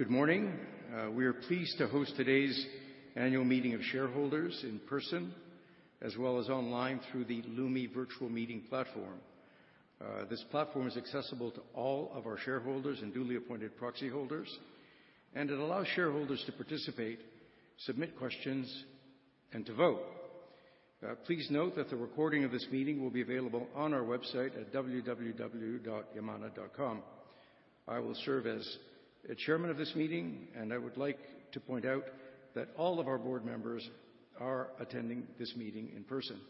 Good morning. We are pleased to host today's annual meeting of shareholders in person, as well as online through the Lumi Virtual Meeting platform. This platform is accessible to all of our shareholders and duly appointed proxy holders, and it allows shareholders to participate, submit questions, and to vote. Please note that the recording of this meeting will be available on our website at www.yamana.com. I will serve as the chairman of this meeting, and I would like to point out that all of our board members are attending this meeting in person.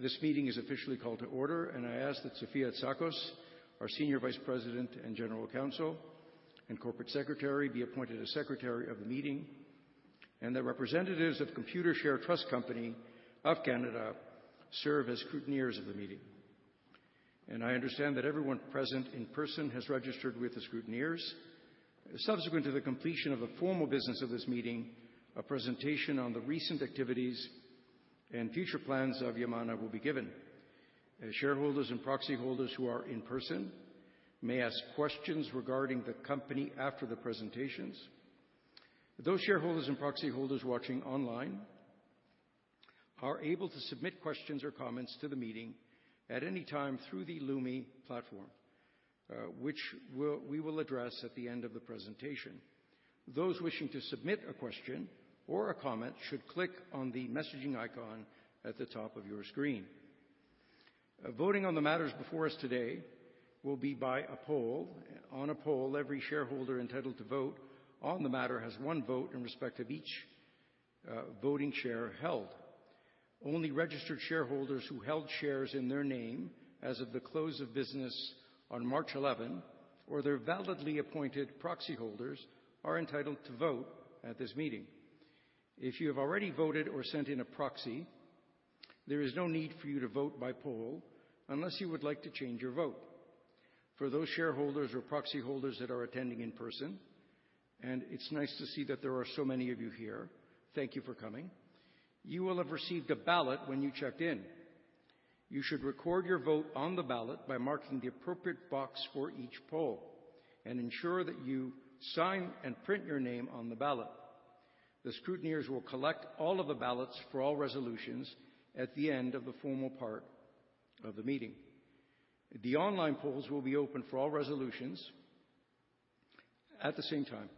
This meeting is officially called to order, and I ask that Sofia Tsakos, our Senior Vice President, General Counsel, and Corporate Secretary, be appointed as Secretary of the meeting and that representatives of Computershare Trust Company of Canada serve as scrutineers of the meeting. I understand that everyone present in person has registered with the scrutineers. Subsequent to the completion of the formal business of this meeting, a presentation on the recent activities and future plans of Yamana will be given. As shareholders and proxy holders who are in person may ask questions regarding the company after the presentations. Those shareholders and proxy holders watching online are able to submit questions or comments to the meeting at any time through the Lumi platform, which we will address at the end of the presentation. Those wishing to submit a question or a comment should click on the messaging icon at the top of your screen. Voting on the matters before us today will be by a poll. On a poll, every shareholder entitled to vote on the matter has one vote in respect of each voting share held. Only registered shareholders who held shares in their name as of the close of business on March 11th or their validly appointed proxy holders are entitled to vote at this meeting. If you have already voted or sent in a proxy, there is no need for you to vote by poll unless you would like to change your vote. For those shareholders or proxy holders that are attending in person, and it's nice to see that there are so many of you here, thank you for coming, you will have received a ballot when you checked in. You should record your vote on the ballot by marking the appropriate box for each poll and ensure that you sign and print your name on the ballot. The scrutineers will collect all of the ballots for all resolutions at the end of the formal part of the meeting. The online polls will be open for all resolutions at the same time.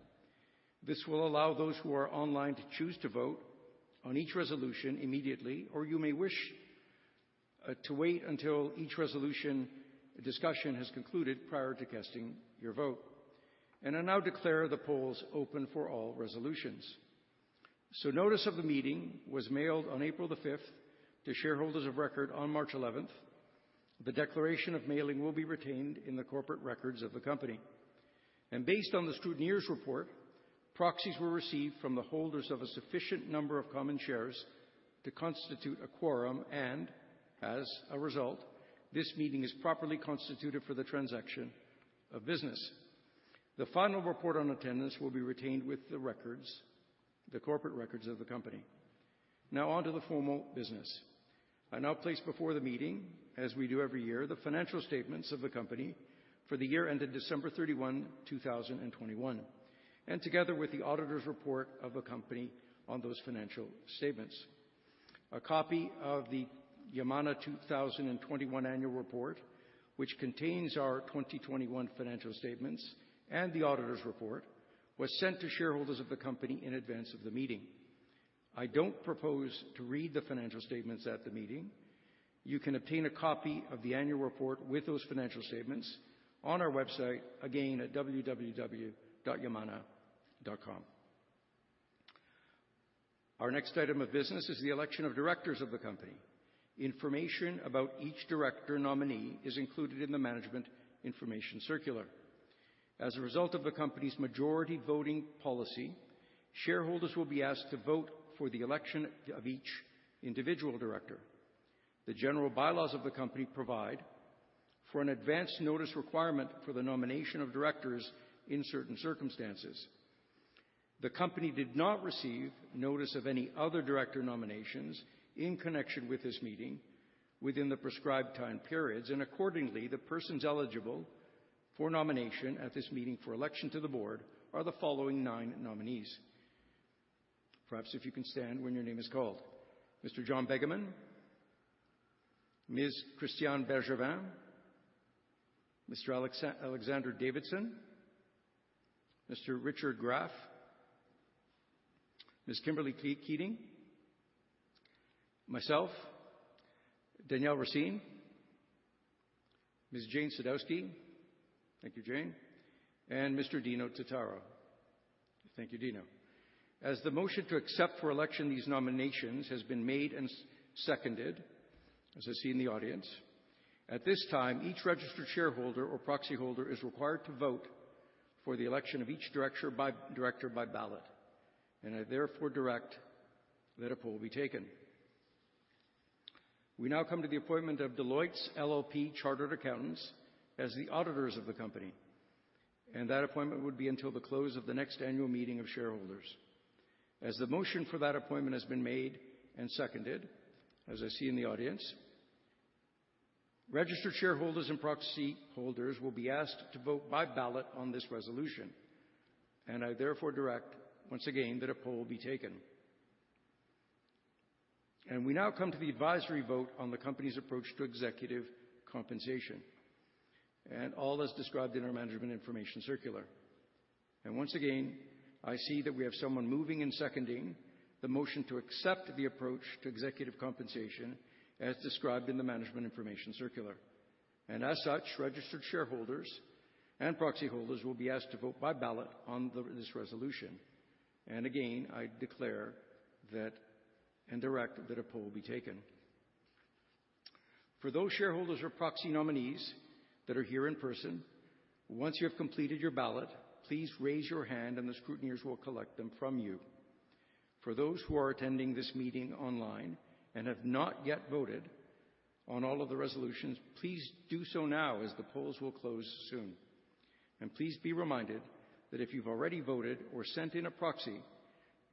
This will allow those who are online to choose to vote on each resolution immediately, or you may wish to wait until each resolution discussion has concluded prior to casting your vote. I now declare the polls open for all resolutions. Notice of the meeting was mailed on April 5th to shareholders of record on March 11th. The declaration of mailing will be retained in the corporate records of the company. Based on the scrutineers' report, proxies were received from the holders of a sufficient number of common shares to constitute a quorum, and as a result, this meeting is properly constituted for the transaction of business. The final report on attendance will be retained with the records, the corporate records of the company. Now on to the formal business. I now place before the meeting, as we do every year, the financial statements of the company for the year ended December 31, 2021, and together with the auditor's report of the company on those financial statements. A copy of the Yamana 2021 annual report, which contains our 2021 financial statements and the auditor's report, was sent to shareholders of the company in advance of the meeting. I don't propose to read the financial statements at the meeting. You can obtain a copy of the annual report with those financial statements on our website, again, at www.yamana.com. Our next item of business is the election of directors of the company. Information about each director nominee is included in the management information circular. As a result of the company's majority voting policy, shareholders will be asked to vote for the election of each individual director. The general bylaws of the company provide for an advance notice requirement for the nomination of directors in certain circumstances. The company did not receive notice of any other director nominations in connection with this meeting within the prescribed time periods, and accordingly, the persons eligible for nomination at this meeting for election to the board are the following nine nominees. Perhaps if you can stand when your name is called. Mr. John Begeman, Ms. Christiane Bergevin, Mr. Alexander Davidson, Mr. Richard Graff, Ms. Kimberly Keating, myself, Daniel Racine, Ms. Jane Sadowsky. Thank you, Jane. Mr. Dino Titaro. Thank you, Dino. As the motion to accept for election these nominations has been made and seconded, as I see in the audience, at this time, each registered shareholder or proxy holder is required to vote for the election of each director by ballot, and I therefore direct that a poll be taken. We now come to the appointment of Deloitte LLP Chartered Accountants as the auditors of the company, and that appointment would be until the close of the next annual meeting of shareholders. As the motion for that appointment has been made and seconded, as I see in the audience. Registered shareholders and proxy holders will be asked to vote by ballot on this resolution, and I therefore direct, once again, that a poll be taken. We now come to the advisory vote on the company's approach to executive compensation, and all as described in our management information circular. Once again, I see that we have someone moving and seconding the motion to accept the approach to executive compensation as described in the management information circular. As such, registered shareholders and proxy holders will be asked to vote by ballot on this resolution. Again, I declare that, and direct that a poll be taken. For those shareholders or proxy nominees that are here in person, once you have completed your ballot, please raise your hand and the scrutineers will collect them from you. For those who are attending this meeting online and have not yet voted on all of the resolutions, please do so now, as the polls will close soon. Please be reminded that if you've already voted or sent in a proxy,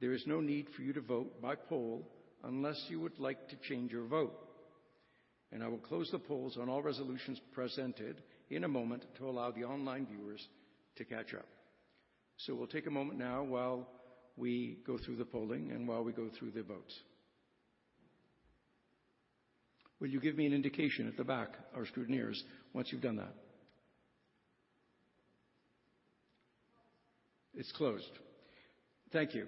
there is no need for you to vote by poll unless you would like to change your vote. I will close the polls on all resolutions presented in a moment to allow the online viewers to catch up. We'll take a moment now while we go through the polling and while we go through the votes. Will you give me an indication at the back, our scrutineers, once you've done that? It's closed. It's closed. Thank you.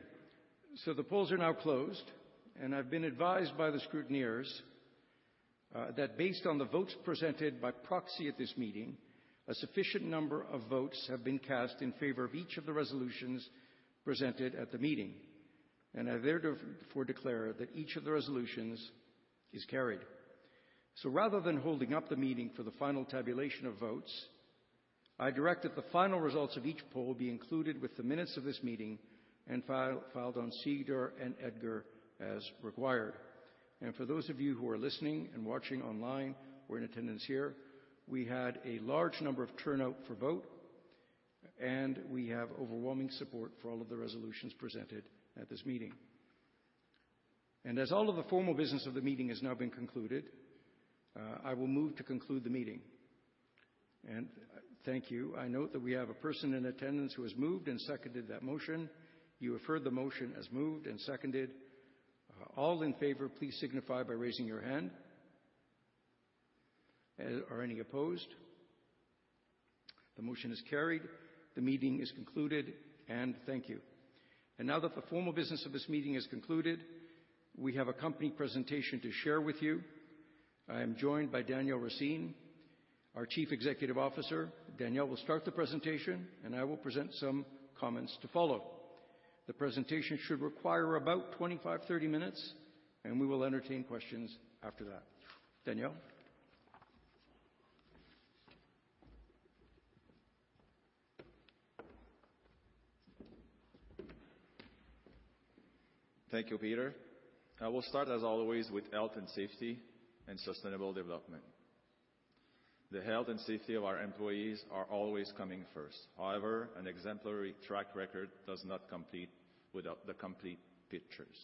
The polls are now closed, and I've been advised by the scrutineers that based on the votes presented by proxy at this meeting, a sufficient number of votes have been cast in favor of each of the resolutions presented at the meeting. I therefore declare that each of the resolutions is carried. Rather than holding up the meeting for the final tabulation of votes, I direct that the final results of each poll be included with the minutes of this meeting and filed on SEDAR and EDGAR as required. For those of you who are listening and watching online or in attendance here, we had a large voter turnout, and we have overwhelming support for all of the resolutions presented at this meeting. As all of the formal business of the meeting has now been concluded, I will move to conclude the meeting. Thank you. I note that we have a person in attendance who has moved and seconded that motion. You have heard the motion as moved and seconded. All in favor, please signify by raising your hand. Are any opposed? The motion is carried. The meeting is concluded, and thank you. Now that the formal business of this meeting is concluded, we have a company presentation to share with you. I am joined by Daniel Racine, our Chief Executive Officer. Daniel will start the presentation, and I will present some comments to follow. The presentation should require about 25 to 30 minutes, and we will entertain questions after that. Daniel? Thank you, Peter. I will start, as always, with health and safety and sustainable development. The health and safety of our employees are always coming first. However, an exemplary track record does not complete without the complete pictures.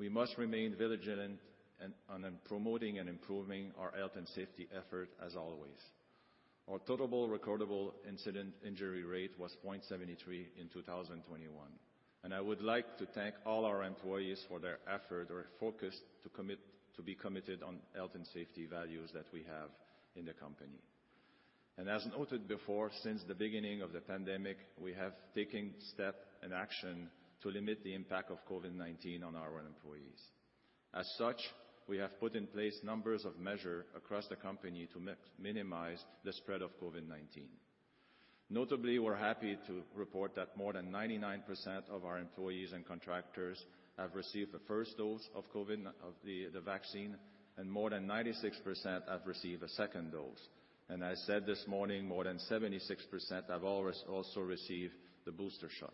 We must remain vigilant in on promoting and improving our health and safety effort as always. Our total recordable incident injury rate was 0.73 in 2021, and I would like to thank all our employees for their effort to be committed on health and safety values that we have in the company. As noted before, since the beginning of the pandemic, we have taken step and action to limit the impact of COVID-19 on our own employees. As such, we have put in place numbers of measure across the company to minimize the spread of COVID-19. Notably, we're happy to report that more than 99% of our employees and contractors have received the first dose of the COVID vaccine, and more than 96% have received a second dose. I said this morning, more than 76% have also received the booster shot.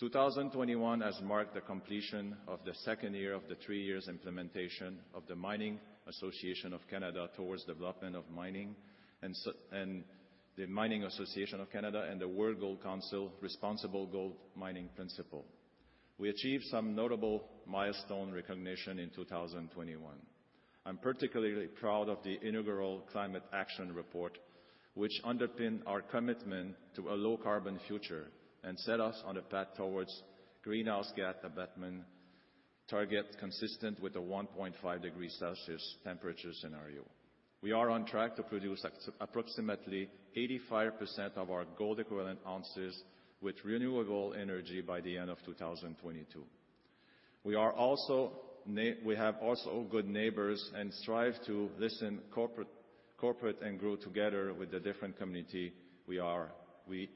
2021 has marked the completion of the second year of the three-year implementation of the Mining Association of Canada's Towards Sustainable Mining, and the Mining Association of Canada and the World Gold Council Responsible Gold Mining Principles. We achieved some notable milestone recognition in 2021. I'm particularly proud of the Inaugural Climate Action Report, which underpinned our commitment to a low-carbon future and set us on a path towards greenhouse gas abatement target consistent with the 1.5-degree Celsius temperature scenario. We are on track to produce approximately 85% of our gold equivalent ounces with renewable energy by the end of 2022. We have also good neighbors and strive to listen, cooperate and grow together with the different community we operate.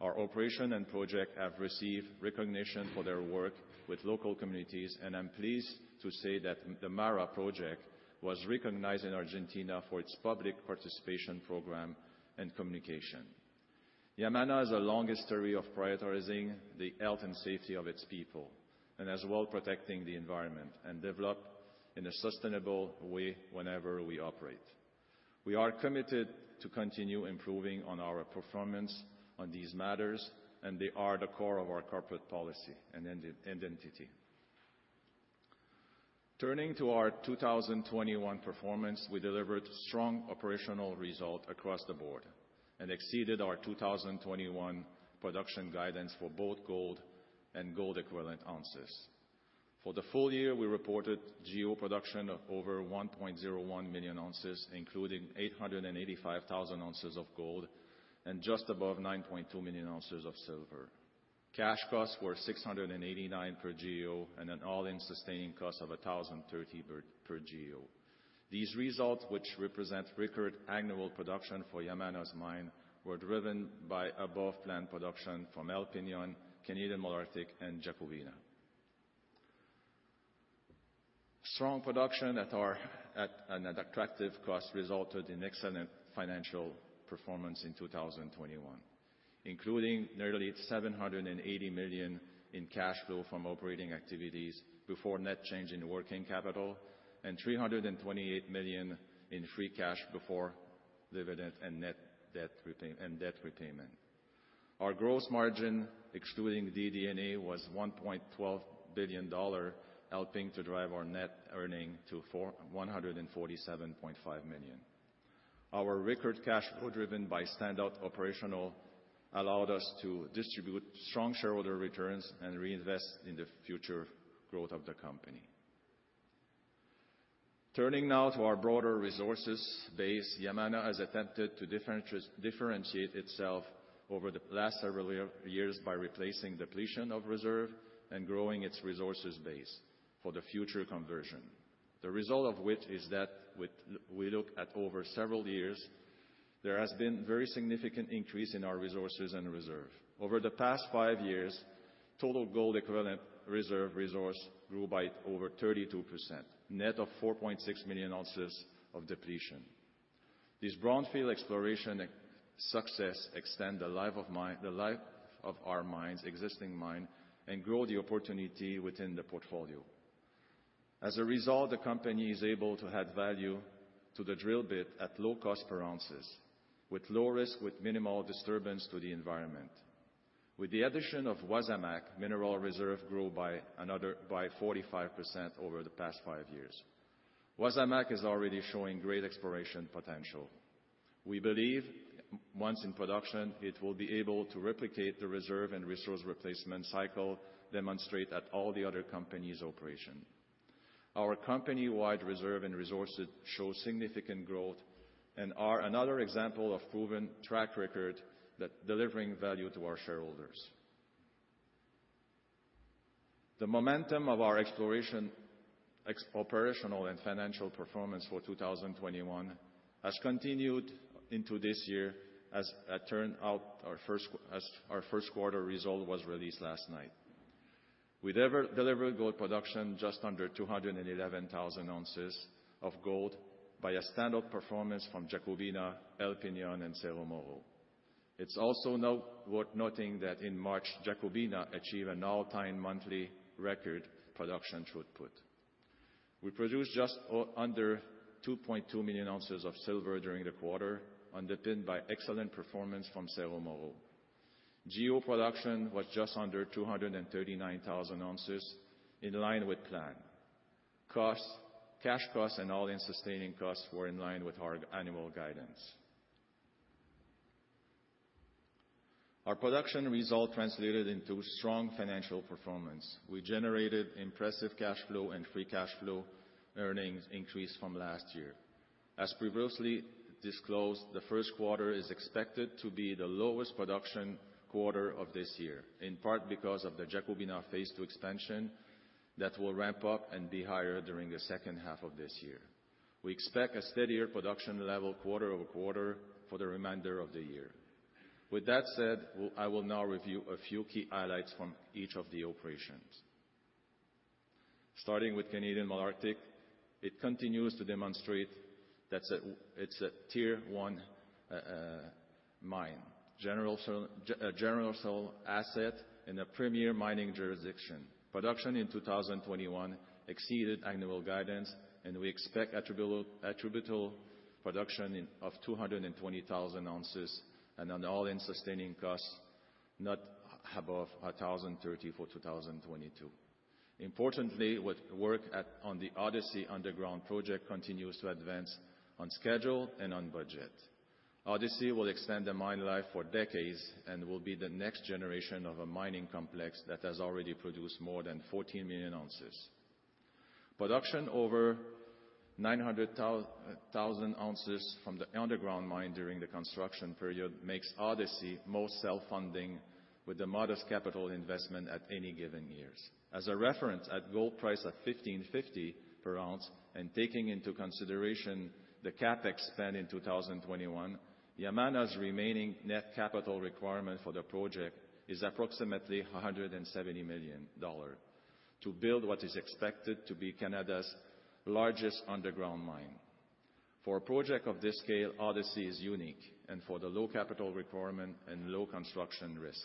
Our operation and project have received recognition for their work with local communities, and I'm pleased to say that the MARA project was recognized in Argentina for its public participation program and communication. Yamana has a long history of prioritizing the health and safety of its people and as well protecting the environment and develop in a sustainable way whenever we operate. We are committed to continue improving on our performance on these matters, and they are the core of our corporate policy and identity. Turning to our 2021 performance, we delivered strong operational result across the board and exceeded our 2021 production guidance for both gold and gold equivalent ounces. For the full year, we reported GEO production of over 1.01 million oz, including 885,000 oz of gold and just above 9.2 million oz of silver. Cash costs were $689 per GEO and an all-in sustaining cost of $1,030 per GEO. These results, which represent record annual production for Yamana's mine, were driven by above-plan production from El Peñón, Canadian Malartic, and Jacobina. Strong production at our... That, and at attractive cost, resulted in excellent financial performance in 2021, including nearly $780 million in cash flow from operating activities before net change in working capital and $328 million in free cash before dividend and net debt reduction and debt repayment. Our gross margin, excluding DD&A, was $1.12 billion, helping to drive our net earnings to $147.5 million. Our record cash flow, driven by standout operational, allowed us to distribute strong shareholder returns and reinvest in the future growth of the company. Turning now to our broader resource base, Yamana has attempted to differentiate itself over the last several years by replacing depletion of reserves and growing its resource base for the future conversion. The result of which is that when we look at over several years, there has been very significant increase in our resources and reserves. Over the past five years, total gold equivalent reserves and resources grew by over 32%, net of 4.6 million oz of depletion. This brownfield exploration success extends the life of our existing mines and grows the opportunity within the portfolio. As a result, the company is able to add value to the drill bit at low cost per ounce, with low risk, with minimal disturbance to the environment. With the addition of Wasamac, mineral reserves grew by another by 45% over the past five years. Wasamac is already showing great exploration potential. We believe, once in production, it will be able to replicate the reserve and resource replacement cycle demonstrated at all the other company's operations. Our company-wide reserve and resources show significant growth and are another example of proven track record of delivering value to our shareholders. The momentum of our exploration, operational and financial performance for 2021 has continued into this year as it turns out our Q1 result was released last night. We delivered gold production just under 211,000 oz of gold by a standout performance from Jacobina, El Peñón, and Cerro Moro. It's also now worth noting that in March, Jacobina achieved an all-time monthly record production throughput. We produced just under 2.2 million oz of silver during the quarter, underpinned by excellent performance from Cerro Moro. GEO production was just under 239,000 oz, in line with plan. Cost, cash costs and all-in sustaining costs were in line with our annual guidance. Our production result translated into strong financial performance. We generated impressive cash flow and free cash flow earnings increase from last year. As previously disclosed, the Q1 is expected to be the lowest production quarter of this year, in part because of the Jacobina phase two expansion that will ramp up and be higher during the H2 of this year. We expect a steadier production level quarter-over-quarter for the remainder of the year. With that said, I will now review a few key highlights from each of the operations. Starting with Canadian Malartic, it continues to demonstrate it's a Tier 1 mine, generally solid asset in a premier mining jurisdiction. Production in 2021 exceeded annual guidance, and we expect attributable production of 220,000 oz and all-in sustaining costs not above $1,030 for 2022. Importantly, work on the Odyssey underground project continues to advance on schedule and on budget. Odyssey will extend the mine life for decades and will be the next generation of a mining complex that has already produced more than 14 million oz. Production over 900,000 oz from the underground mine during the construction period makes Odyssey most self-funding with a modest capital investment in any given year. As a reference, at gold price of $1,550 per ounce and taking into consideration the CapEx spend in 2021, Yamana's remaining net capital requirement for the project is approximately $170 million to build what is expected to be Canada's largest underground mine. For a project of this scale, Odyssey is unique, and for the low capital requirement and low construction risk.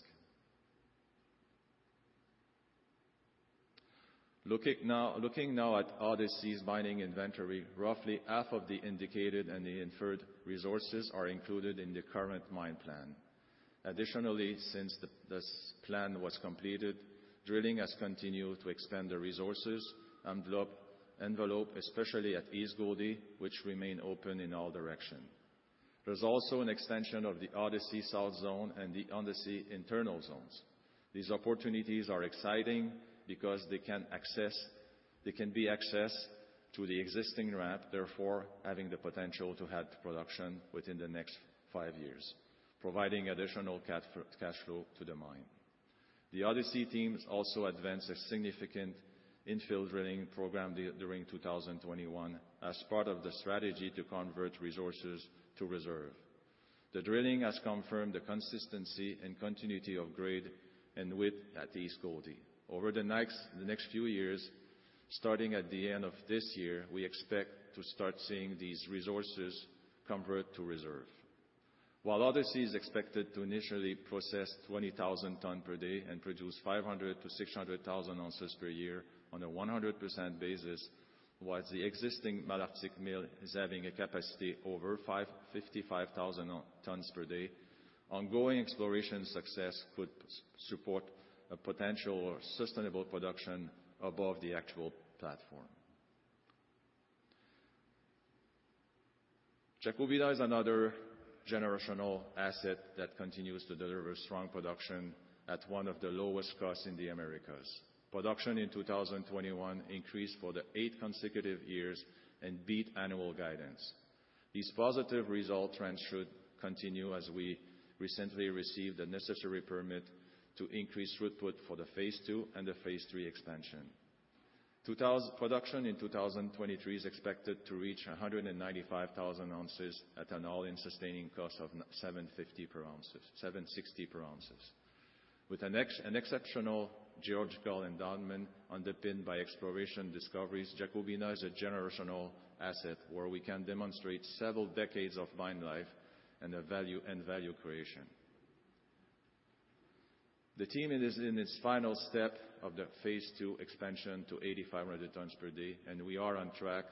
Looking now at Odyssey's mining inventory, roughly half of the indicated and the inferred resources are included in the current mine plan. Additionally, since this plan was completed, drilling has continued to extend the resources envelope, especially at East Goldie, which remain open in all direction. There's also an extension of the Odyssey South zone and the Odyssey internal zones. These opportunities are exciting because they can be accessed to the existing ramp, therefore, having the potential to add production within the next 5 years, providing additional cash flow to the mine. The Odyssey teams also advanced a significant infill drilling program during 2021 as part of the strategy to convert resources to reserve. The drilling has confirmed the consistency and continuity of grade and width at East Goldie. Over the next few years, starting at the end of this year, we expect to start seeing these resources convert to reserve. While Odyssey is expected to initially process 20,000 tons per day and produce 500,000 to 600,000 oz per year on a 100% basis, while the existing Canadian Malartic mill has a capacity over 55,000 tons per day, ongoing exploration success could support a potential sustainable production above the actual platform. Jacobina is another generational asset that continues to deliver strong production at one of the lowest costs in the Americas. Production in 2021 increased for the eighth consecutive years and beat annual guidance. These positive result trends should continue as we recently received the necessary permit to increase throughput for the phase two and the phase three expansion. Production in 2023 is expected to reach 195,000 oz at an all-in sustaining cost of $760 per ounce. With an exceptional geological endowment underpinned by exploration discoveries, Jacobina is a generational asset where we can demonstrate several decades of mine life and a value creation. The team is in its final step of the phase two expansion to 8,500 tons per day, and we are on track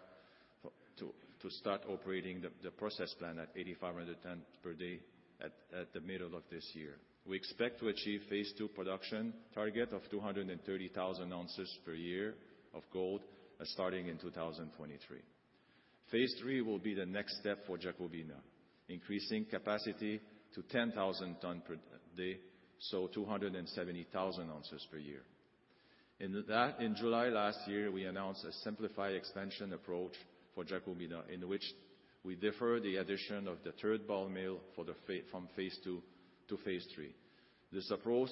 to start operating the process plant at 8,500 tons per day at the middle of this year. We expect to achieve phase two production target of 230,000 oz per year of gold starting in 2023. Phase three will be the next step for Jacobina, increasing capacity to 10,000 tons per day, so 270,000 oz per year. In that, in July last year, we announced a simplified expansion approach for Jacobina, in which we defer the addition of the third ball mill from phase two to phase three. This approach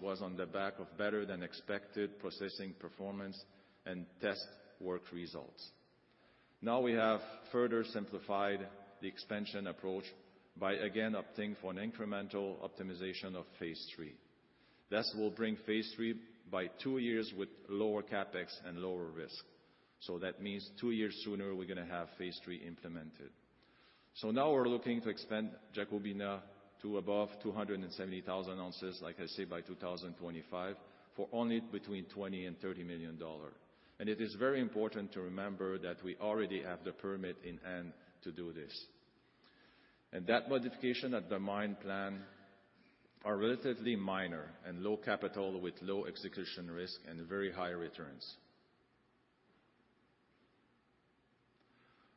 was on the back of better than expected processing performance and test work results. Now we have further simplified the expansion approach by again opting for an incremental optimization of phase three. This will bring phase three by two years with lower CapEx and lower risk. That means two years sooner we're gonna have phase three implemented. Now we're looking to expand Jacobina to above 270,000 oz, like I said, by 2025, for only between $20 million and $30 million dollars. It is very important to remember that we already have the permit in hand to do this. That modification at the mine plan are relatively minor and low capital with low execution risk and very high returns.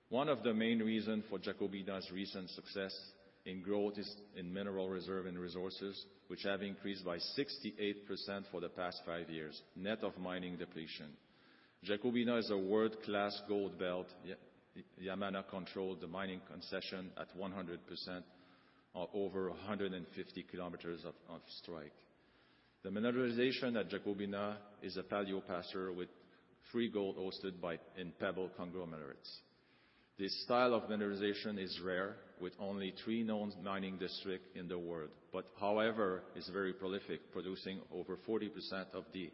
One of the main reason for Jacobina's recent success in growth is in mineral reserve and resources, which have increased by 68% for the past 5 years, net of mining depletion. Jacobina is a world-class gold belt. Yamana control the mining concession at 100% of over 150 km of strike. The mineralization at Jacobina is a paleoplacer with free gold hosted in pebble conglomerates. This style of mineralization is rare, with only 3 known mining districts in the world, but however, is very prolific, producing over 40% of the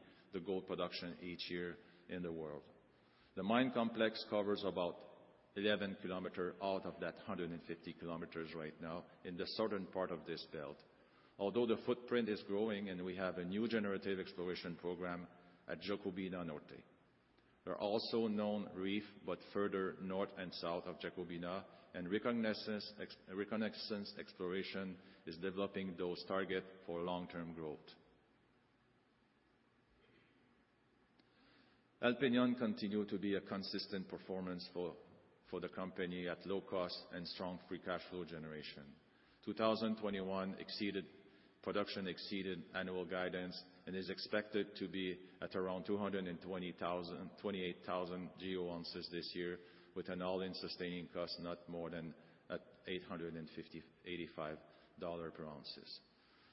gold production each year in the world. The mine complex covers about 11 km out of that 150 km right now in the southern part of this belt. Although the footprint is growing, and we have a new generative exploration program at Jacobina Norte. There are also known reefs, but further north and south of Jacobina, and reconnaissance exploration is developing those targets for long-term growth. El Peñón continues to be a consistent performer for the company at low cost and strong free cash flow generation. 2021 production exceeded annual guidance and is expected to be at around 228,000 GEO oz this year with an all-in sustaining cost not more than $850-$885 per ounce.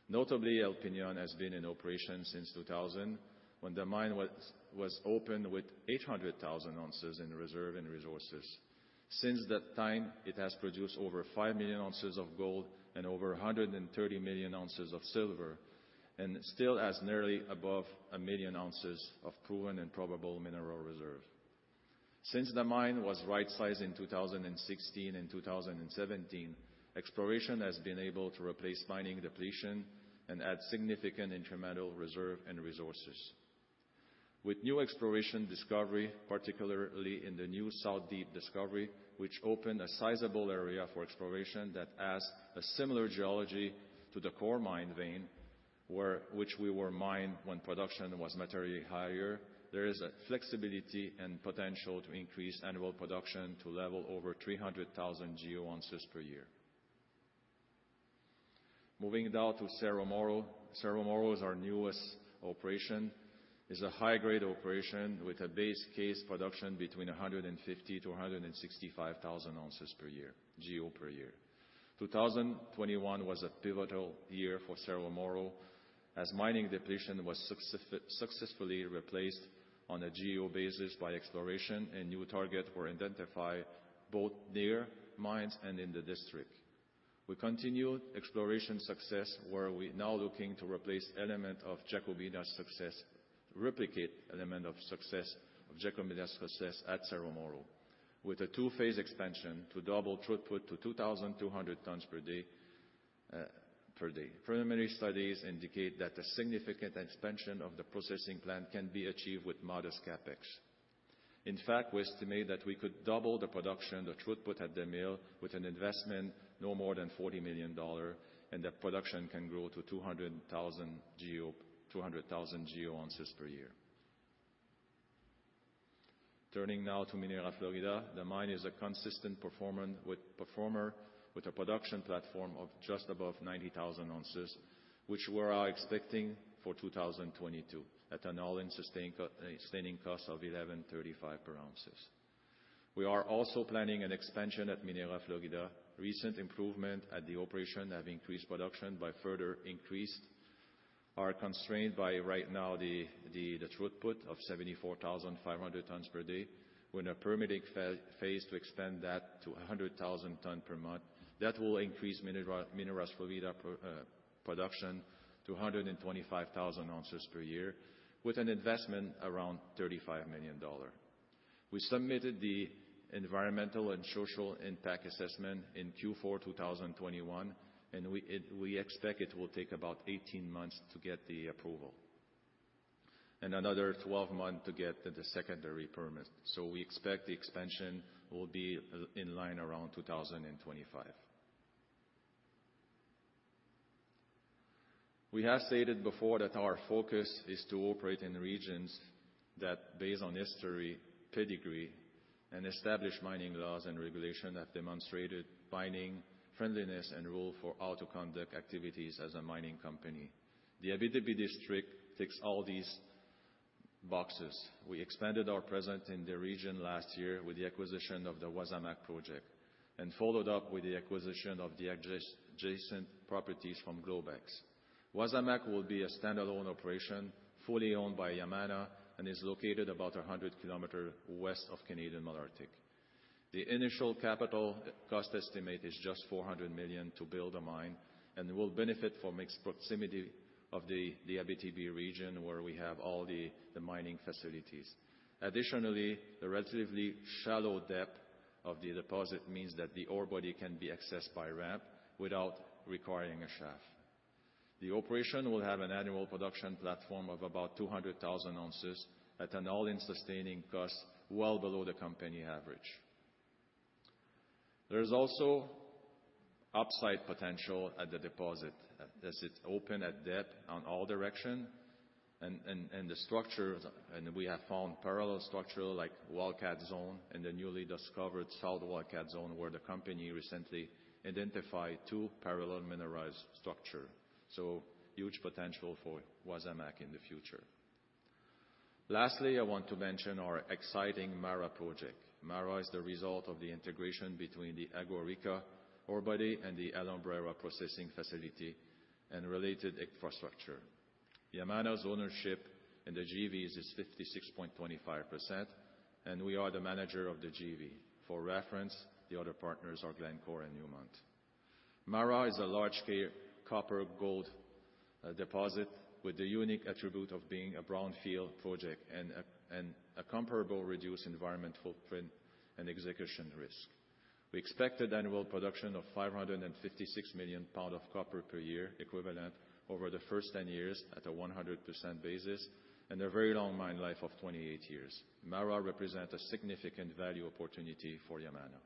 Notably, El Peñón has been in operation since 2000 when the mine was opened with 800,000 oz in reserve and resources. Since that time, it has produced over 5 million oz of gold and over 130 million oz of silver, and still has nearly above 1 million oz of proven and probable mineral reserve. Since the mine was right-sized in 2016 and 2017, exploration has been able to replace mining depletion and add significant incremental reserve and resources. With new exploration discovery, particularly in the new South Deep discovery, which opened a sizable area for exploration that has a similar geology to the core mine vein, which we were mined when production was materially higher, there is a flexibility and potential to increase annual production to level over 300,000 GEO oz per year. Moving down to Cerro Moro. Cerro Moro is our newest operation. It's a high-grade operation with a base case production between 150 to 165 thousand oz per year, GEO per year. 2021 was a pivotal year for Cerro Moro, as mining depletion was successfully replaced on a GEO basis by exploration, and new targets were identified both near mines and in the district. We continued exploration success, where we're now looking to replicate element of success of Jacobina's success at Cerro Moro, with a two-phase expansion to double throughput to 2,200 tons per day. Preliminary studies indicate that a significant expansion of the processing plant can be achieved with modest CapEx. In fact, we estimate that we could double the production, the throughput at the mill, with an investment no more than $40 million, and the production can grow to 200,000 GEO, 200,000 GEO oz per year. Turning now to Minera Florida. The mine is a consistent performer with a production platform of just above 90,000 oz, which we are expecting for 2022 at an all-in sustaining cost of $1,135 per ounce. We are also planning an expansion at Minera Florida. Recent improvements at the operation have increased production, but further increases are constrained right now by the throughput of 74,500 tons per day. We are in a permitting phase to expand that to 100,000 tons per month. That will increase Minera Florida production to 125,000 oz per year with an investment around $35 million. We submitted the environmental and social impact assessment in Q4 2021, and we expect it will take about 18 months to get the approval, and another 12 months to get the secondary permit. We expect the expansion will be online around 2025. We have stated before that our focus is to operate in regions that based on history, pedigree, and established mining laws and regulations have demonstrated mining friendliness and rules for how to conduct activities as a mining company. The Abitibi district ticks all these boxes. We expanded our presence in the region last year with the acquisition of the Wasamac project, and followed up with the acquisition of the adjacent properties from Globex. Wasamac will be a standalone operation, fully owned by Yamana, and is located about 100 km west of Canadian Malartic. The initial capital cost estimate is just $400 million to build a mine, and will benefit from its proximity to the Abitibi region, where we have all the mining facilities. Additionally, the relatively shallow depth of the deposit means that the ore body can be accessed by ramp without requiring a shaft. The operation will have an annual production platform of about 200,000 oz at an all-in sustaining cost well below the company average. There is also upside potential at the deposit, as it's open at depth in all directions and the structures. We have found parallel structures like Wildcat Zone and the newly discovered South Wildcat, where the company recently identified two parallel mineralized structures. Huge potential for Wasamac in the future. Lastly, I want to mention our exciting MARA project. MARA is the result of the integration between the Agua Rica ore body and the Alumbrera processing facility and related infrastructure. Yamana's ownership in the JVs is 56.25%, and we are the manager of the JV. For reference, the other partners are Glencore and Newmont. MARA is a large-scale copper-gold deposit with the unique attribute of being a brownfield project and a comparable reduced environmental footprint and execution risk. We expect an annual production of 556 million pounds of copper per year equivalent over the first 10 years at a 100% basis, and a very long mine life of 28 years. MARA represent a significant value opportunity for Yamana.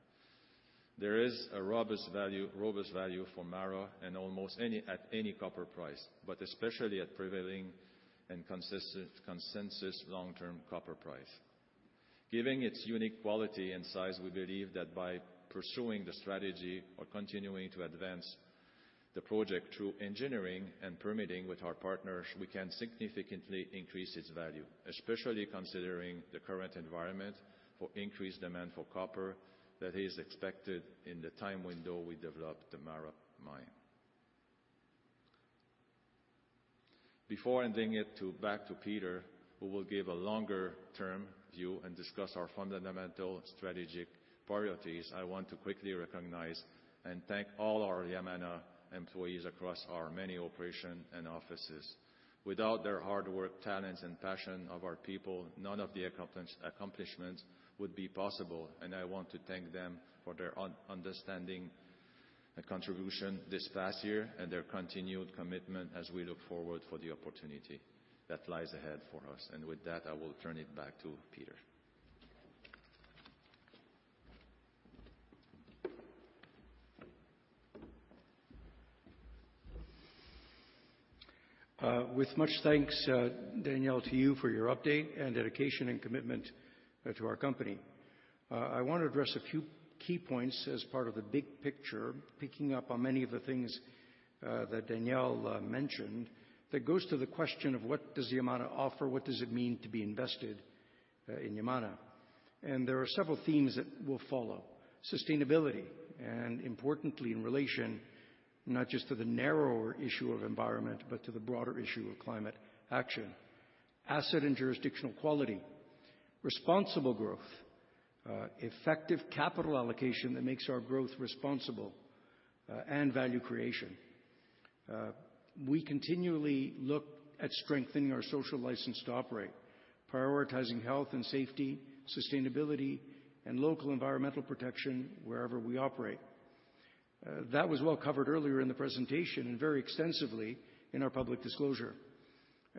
There is a robust value for MARA at any copper price, but especially at prevailing and consistent consensus long-term copper price. Given its unique quality and size, we believe that by pursuing the strategy or continuing to advance the project through engineering and permitting with our partners, we can significantly increase its value, especially considering the current environment for increased demand for copper that is expected in the time window we develop the MARA mine. Before handing it back to Peter, who will give a longer-term view and discuss our fundamental strategic priorities, I want to quickly recognize and thank all our Yamana employees across our many operations and offices. Without their hard work, talents, and passion of our people, none of the accomplishments would be possible, and I want to thank them for their understanding. The contribution this past year and their continued commitment as we look forward to the opportunity that lies ahead for us. With that, I will turn it back to Peter. With much thanks, Daniel Racine, to you for your update and dedication and commitment to our company. I wanna address a few key points as part of the big picture, picking up on many of the things that Daniel Racine mentioned, that goes to the question of what does Yamana offer? What does it mean to be invested in Yamana? There are several themes that we'll follow. Sustainability, and importantly in relation, not just to the narrower issue of environment, but to the broader issue of climate action. Asset and jurisdictional quality. Responsible growth. Effective capital allocation that makes our growth responsible, and value creation. We continually look at strengthening our social license to operate, prioritizing health and safety, sustainability, and local environmental protection wherever we operate. That was well covered earlier in the presentation and very extensively in our public disclosure.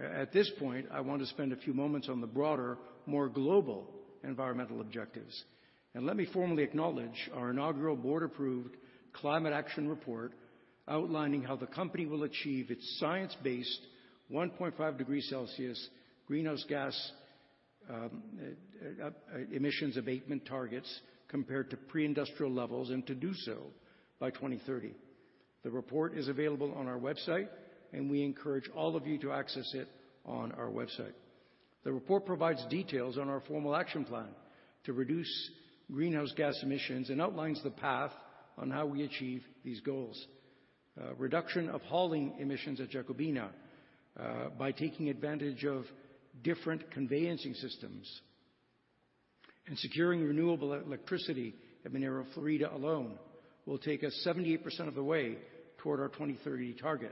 At this point, I want to spend a few moments on the broader, more global environmental objectives. Let me formally acknowledge our Inaugural Climate Action Report outlining how the company will achieve its science-based 1.5 degree Celsius greenhouse gas emissions abatement targets compared to pre-industrial levels, and to do so by 2030. The report is available on our website, and we encourage all of you to access it on our website. The report provides details on our formal action plan to reduce greenhouse gas emissions and outlines the path on how we achieve these goals. Reduction of hauling emissions at Jacobina by taking advantage of different conveyance systems and securing renewable electricity at Minera Florida alone will take us 78% of the way toward our 2030 target.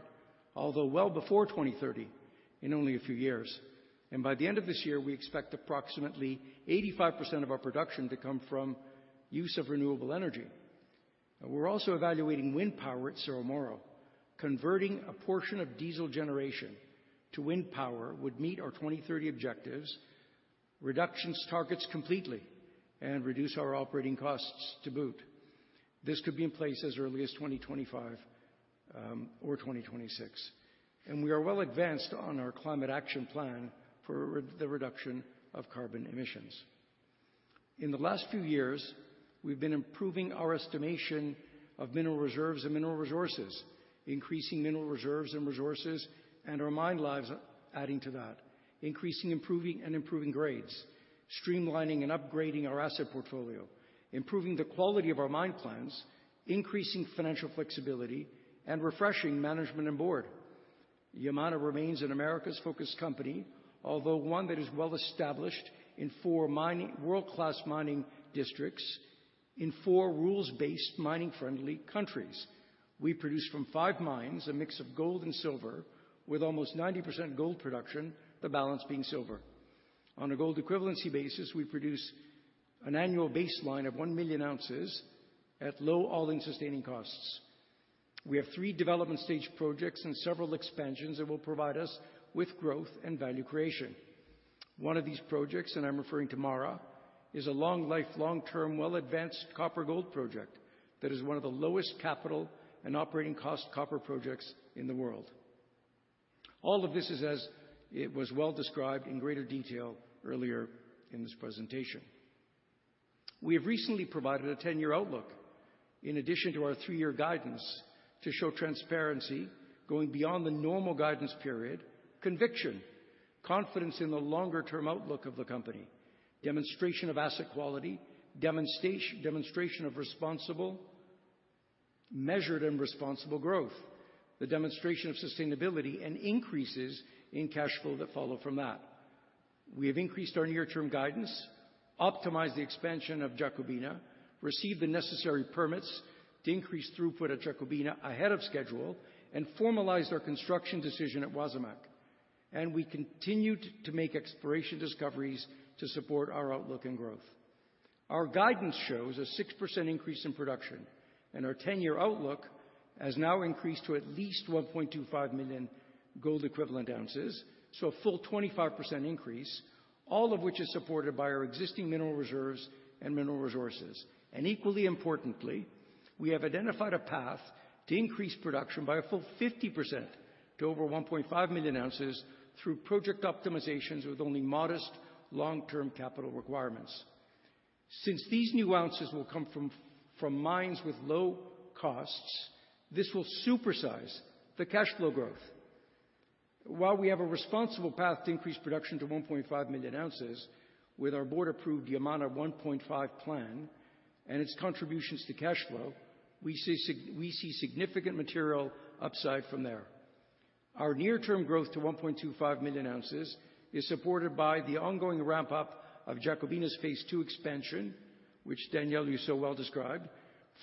Although well before 2030, in only a few years. By the end of this year, we expect approximately 85% of our production to come from use of renewable energy. We're also evaluating wind power at Cerro Moro. Converting a portion of diesel generation to wind power would meet our 2030 objectives reduction targets completely and reduce our operating costs to boot. This could be in place as early as 2025 or 2026. We are well advanced on our climate action plan for the reduction of carbon emissions. In the last few years, we've been improving our estimation of mineral reserves and mineral resources, increasing mineral reserves and resources, and our mine lives adding to that. Increasing, improving, and grades, streamlining and upgrading our asset portfolio, improving the quality of our mine plans, increasing financial flexibility, and refreshing management and board. Yamana remains an Americas-focused company, although one that is well established in 4 world-class mining districts in 4 rules-based, mining-friendly countries. We produce from 5 mines, a mix of gold and silver, with almost 90% gold production, the balance being silver. On a gold equivalency basis, we produce an annual baseline of 1 million oz at low all-in sustaining costs. We have 3 development stage projects and several expansions that will provide us with growth and value creation. One of these projects, and I'm referring to MARA, is a long life, long-term, well-advanced copper gold project that is one of the lowest capital and operating cost copper projects in the world. All of this is as it was well described in greater detail earlier in this presentation. We have recently provided a ten-year outlook in addition to our three-year guidance to show transparency, going beyond the normal guidance period, conviction, confidence in the longer-term outlook of the company, demonstration of asset quality, demonstration of responsible, measured and responsible growth, the demonstration of sustainability, and increases in cash flow that follow from that. We have increased our near-term guidance, optimized the expansion of Jacobina, received the necessary permits to increase throughput at Jacobina ahead of schedule, and formalized our construction decision at Wasamac. We continue to make exploration discoveries to support our outlook and growth. Our guidance shows a 6% increase in production, and our 10-year outlook has now increased to at least 1.25 million gold equivalent ounces, so a full 25% increase, all of which is supported by our existing mineral reserves and mineral resources. Equally importantly, we have identified a path to increase production by a full 50% to over 1.5 million oz through project optimizations with only modest long-term capital requirements. Since these new ounces will come from mines with low costs, this will supersize the cash flow growth. While we have a responsible path to increase production to 1.5 million oz with our board-approved Yamana 1.5 Plan and its contributions to cash flow, we see significant material upside from there. Our near-term growth to 1.25 million oz is supported by the ongoing ramp up of Jacobina's Phase Two expansion, which Daniel, you so well described.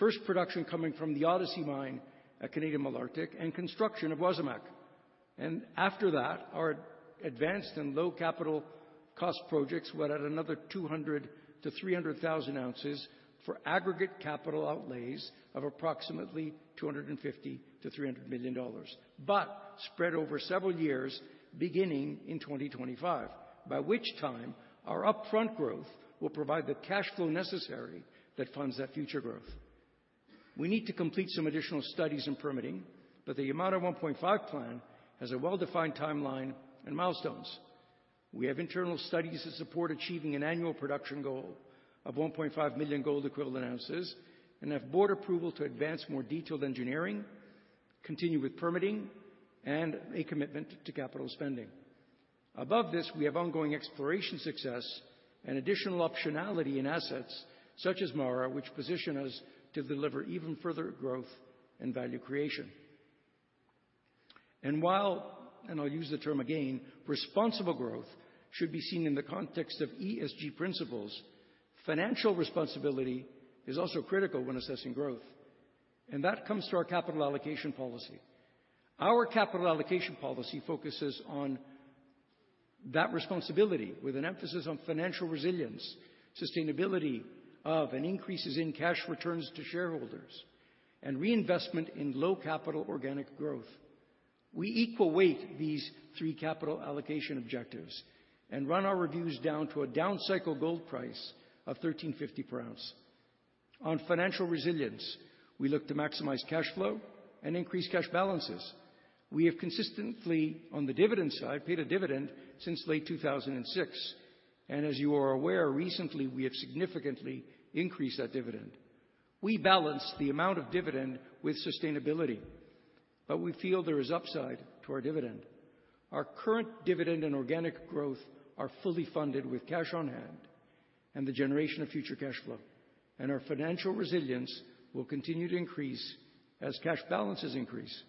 First production coming from the Odyssey mine at Canadian Malartic and construction of Wasamac. After that, our advanced and low capital cost projects were at another 200,000-300,000 oz for aggregate capital outlays of approximately $250 to $300 million. Spread over several years, beginning in 2025, by which time our upfront growth will provide the cash flow necessary that funds that future growth. We need to complete some additional studies and permitting, but the Yamana 1.5 Plan has a well-defined timeline and milestones. We have internal studies that support achieving an annual production goal of 1.5 million gold equivalent ounces and have board approval to advance more detailed engineering, continue with permitting, and a commitment to capital spending. Above this, we have ongoing exploration success and additional optionality in assets such as MARA, which position us to deliver even further growth and value creation. While I'll use the term again, responsible growth should be seen in the context of ESG principles, financial responsibility is also critical when assessing growth. That comes to our capital allocation policy. Our capital allocation policy focuses on that responsibility with an emphasis on financial resilience, sustainability of, and increases in cash returns to shareholders, and reinvestment in low capital organic growth. We equal weight these three capital allocation objectives and run our reviews down to a down cycle gold price of $1,350 per ounce. On financial resilience, we look to maximize cash flow and increase cash balances. We have consistently, on the dividend side, paid a dividend since late 2006. As you are aware, recently, we have significantly increased that dividend. We balance the amount of dividend with sustainability, but we feel there is upside to our dividend. Our current dividend and organic growth are fully funded with cash on hand and the generation of future cash flow. Our financial resilience will continue to increase as cash balances increase.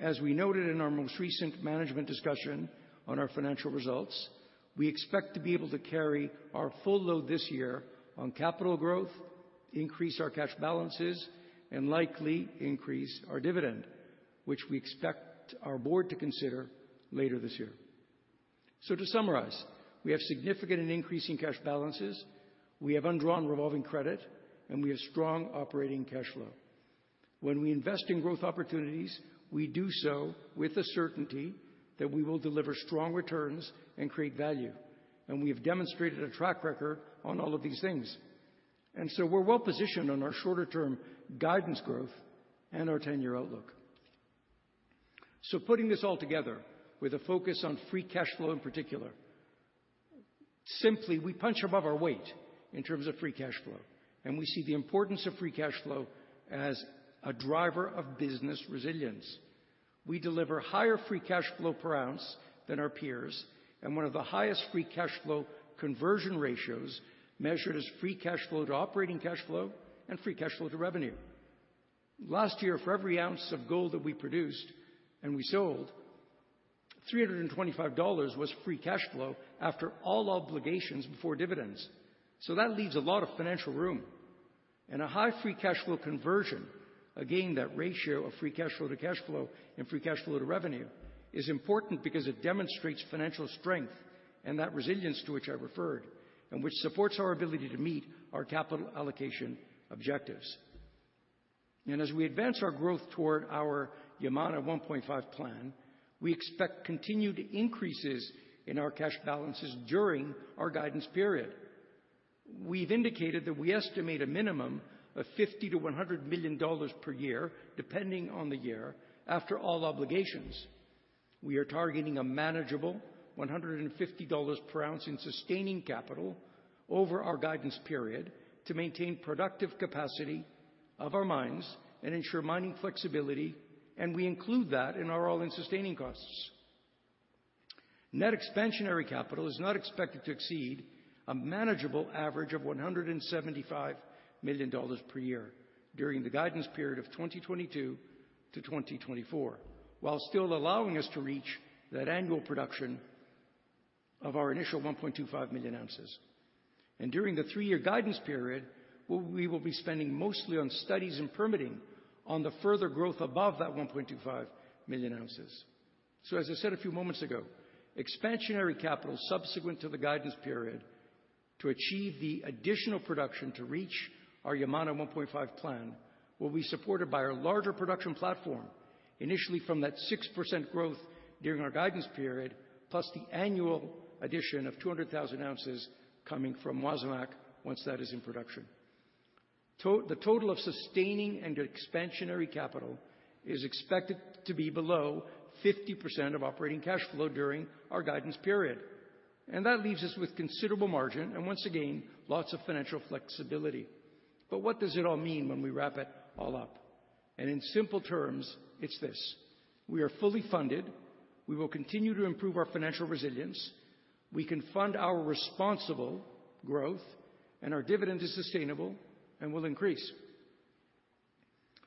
As we noted in our most recent management discussion on our financial results, we expect to be able to carry our full load this year on capital growth, increase our cash balances, and likely increase our dividend, which we expect our board to consider later this year. To summarize, we have significant and increasing cash balances. We have undrawn revolving credit, and we have strong operating cash flow. When we invest in growth opportunities, we do so with the certainty that we will deliver strong returns and create value. We have demonstrated a track record on all of these things. We're well-positioned on our shorter-term guidance growth and our 10-year outlook. Putting this all together with a focus on free cash flow in particular, simply, we punch above our weight in terms of free cash flow, and we see the importance of free cash flow as a driver of business resilience. We deliver higher free cash flow per ounce than our peers and one of the highest free cash flow conversion ratios measured as free cash flow to operating cash flow and free cash flow to revenue. Last year, for every ounce of gold that we produced and we sold, $325 was free cash flow after all obligations before dividends. That leaves a lot of financial room. A high free cash flow conversion, again, that ratio of free cash flow to cash flow and free cash flow to revenue, is important because it demonstrates financial strength and that resilience to which I referred, and which supports our ability to meet our capital allocation objectives. As we advance our growth toward our Yamana 1.5 Plan, we expect continued increases in our cash balances during our guidance period. We've indicated that we estimate a minimum of $50 million to $100 million per year, depending on the year, after all obligations. We are targeting a manageable $150 per ounce in sustaining capital over our guidance period to maintain productive capacity of our mines and ensure mining flexibility, and we include that in our all-in sustaining costs. Net expansionary capital is not expected to exceed a manageable average of $175 million per year during the guidance period of 2022-2024, while still allowing us to reach that annual production of our initial 1.25 million oz. During the three-year guidance period, we will be spending mostly on studies and permitting on the further growth above that 1.25 million oz. As I said a few moments ago, expansionary capital subsequent to the guidance period to achieve the additional production to reach our Yamana 1.5 Plan will be supported by our larger production platform, initially from that 6% growth during our guidance period, plus the annual addition of 200,000 oz coming from Wasamac once that is in production. The total of sustaining and expansionary capital is expected to be below 50% of operating cash flow during our guidance period. That leaves us with considerable margin and once again, lots of financial flexibility. What does it all mean when we wrap it all up? In simple terms, it's this: We are fully funded. We will continue to improve our financial resilience. We can fund our responsible growth, and our dividend is sustainable and will increase.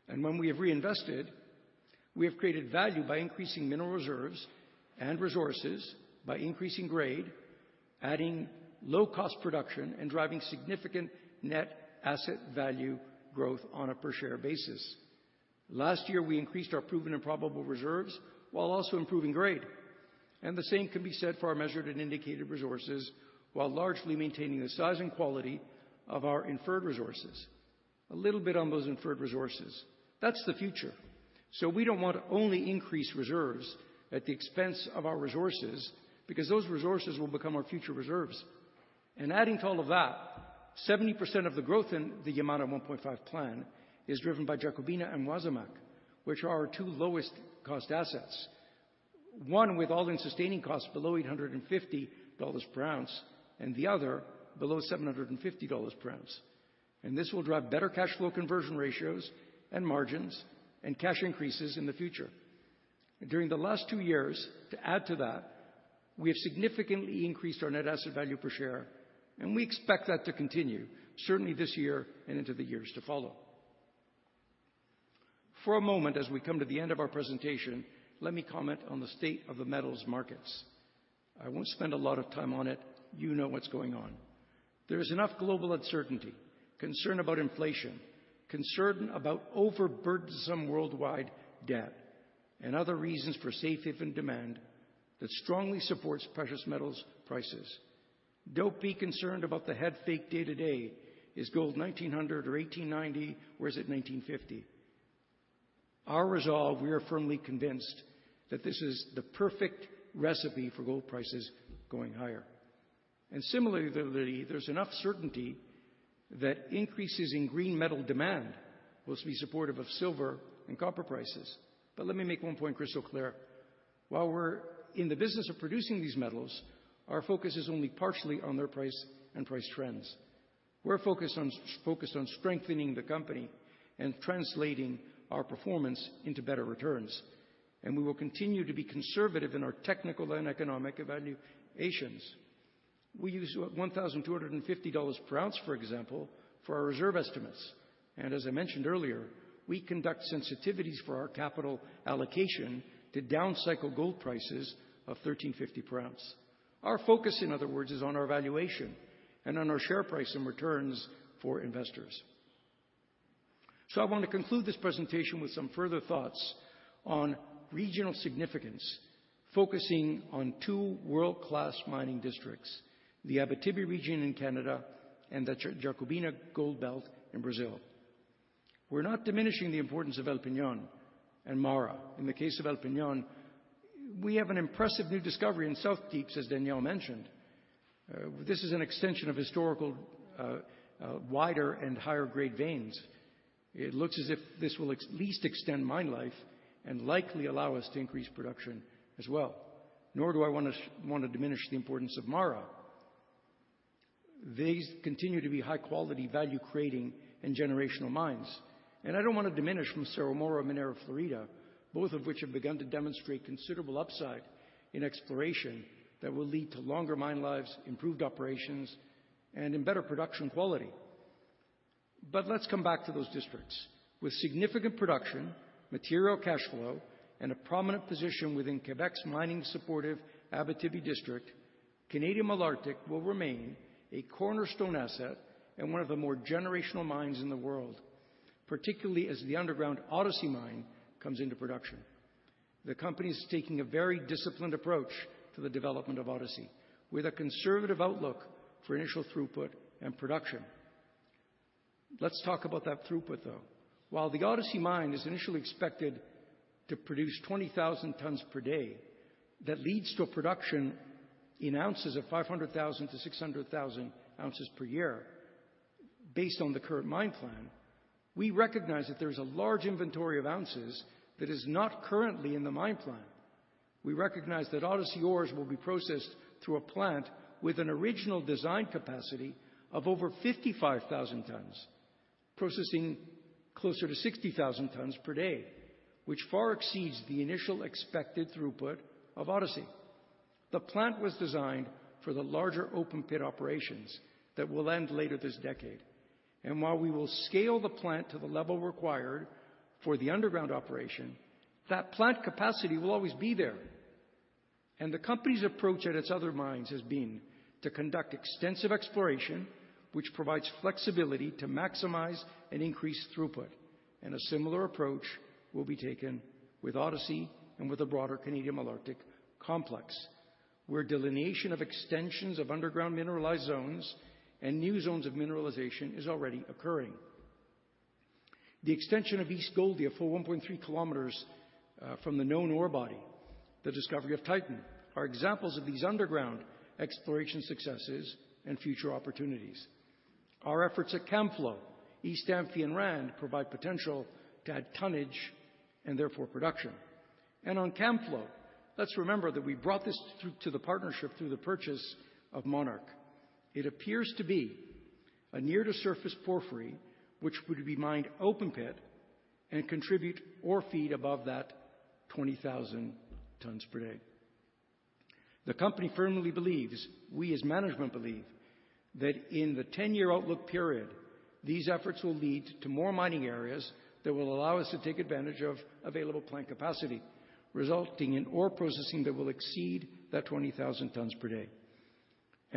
When we have reinvested, we have created value by increasing mineral reserves and resources by increasing grade. Adding low-cost production and driving significant net asset value growth on a per share basis. Last year, we increased our proven and probable reserves while also improving grade. The same can be said for our measured and indicated resources while largely maintaining the size and quality of our inferred resources. A little bit on those inferred resources. That's the future. We don't want to only increase reserves at the expense of our resources because those resources will become our future reserves. Adding to all of that, 70% of the growth in the Yamana 1.5 Plan is driven by Jacobina and Wasamac, which are our two lowest cost assets. One with all-in sustaining costs below $850 per ounce and the other below $750 per ounce. This will drive better cash flow conversion ratios and margins and cash increases in the future. During the last two years, to add to that, we have significantly increased our net asset value per share, and we expect that to continue, certainly this year and into the years to follow. For a moment, as we come to the end of our presentation, let me comment on the state of the metals markets. I won't spend a lot of time on it. You know what's going on. There is enough global uncertainty, concern about inflation, concern about overburdensome worldwide debt, and other reasons for safe haven demand that strongly supports precious metals prices. Don't be concerned about the head fake day-to-day. Is gold $1,900 or $1,890, or is it $1,950? Our resolve, we are firmly convinced that this is the perfect recipe for gold prices going higher. Similarly, there's enough certainty that increases in green metal demand will be supportive of silver and copper prices. Let me make one point crystal clear. While we're in the business of producing these metals, our focus is only partially on their price and price trends. We're focused on strengthening the company and translating our performance into better returns. We will continue to be conservative in our technical and economic evaluations. We use $1,250 per ounce, for example, for our reserve estimates. As I mentioned earlier, we conduct sensitivities for our capital allocation to downside gold prices of $1,350 per ounce. Our focus, in other words, is on our valuation and on our share price and returns for investors. I want to conclude this presentation with some further thoughts on regional significance, focusing on two world-class mining districts, the Abitibi region in Canada and the Jacobina Gold Belt in Brazil. We're not diminishing the importance of El Peñón and MARA. In the case of El Peñón, we have an impressive new discovery in South Wildcat, as Daniel mentioned. This is an extension of historical wider and higher-grade veins. It looks as if this will at least extend mine life and likely allow us to increase production as well. Nor do I wanna wanna diminish the importance of MARA. These continue to be high-quality, value-creating, and generational mines. I don't wanna diminish from Cerro Moro and Minera Florida, both of which have begun to demonstrate considerable upside in exploration that will lead to longer mine lives, improved operations, and in better production quality. Let's come back to those districts. With significant production, material cash flow, and a prominent position within Quebec's mining supportive Abitibi district, Canadian Malartic will remain a cornerstone asset and one of the more generational mines in the world, particularly as the underground Odyssey mine comes into production. The company is taking a very disciplined approach to the development of Odyssey with a conservative outlook for initial throughput and production. Let's talk about that throughput, though. While the Odyssey mine is initially expected to produce 20,000 tons per day, that leads to a production in ounces of 500,000 to 600,000 oz per year based on the current mine plan. We recognize that there is a large inventory of ounces that is not currently in the mine plan. We recognize that Odyssey ores will be processed through a plant with an original design capacity of over 55,000 tons, processing closer to 60,000 tons per day, which far exceeds the initial expected throughput of Odyssey. The plant was designed for the larger open-pit operations that will end later this decade. While we will scale the plant to the level required for the underground operation, that plant capacity will always be there. The company's approach at its other mines has been to conduct extensive exploration, which provides flexibility to maximize and increase throughput. A similar approach will be taken with Odyssey and with the broader Canadian Malartic complex, where delineation of extensions of underground mineralized zones and new zones of mineralization is already occurring. The extension of East Goldie a full 1.3 km from the known ore body, the discovery of Titan, are examples of these underground exploration successes and future opportunities. Our efforts at Camflo, East Amphi, and Rand provide potential to add tonnage and therefore production. On Camflo, let's remember that we brought this through to the partnership through the purchase of Monarch. It appears to be a near-to-surface porphyry, which would be mined open pit and contribute ore feed above that 20,000 tons per day. The company firmly believes, we as management believe that in the ten-year outlook period, these efforts will lead to more mining areas that will allow us to take advantage of available plant capacity, resulting in ore processing that will exceed that 20,000 tons per day.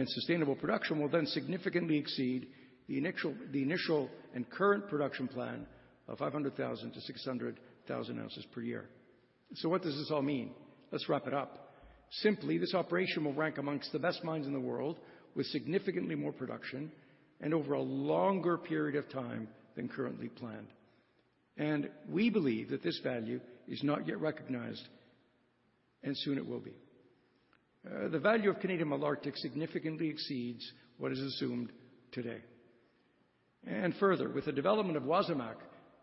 Sustainable production will then significantly exceed the initial, the initial and current production plan of 500,000 to 600,000 oz per year. What does this all mean? Let's wrap it up. Simply, this operation will rank among the best mines in the world with significantly more production and over a longer period of time than currently planned. We believe that this value is not yet recognized, and soon it will be. The value of Canadian Malartic significantly exceeds what is assumed today. Further, with the development of Wasamac,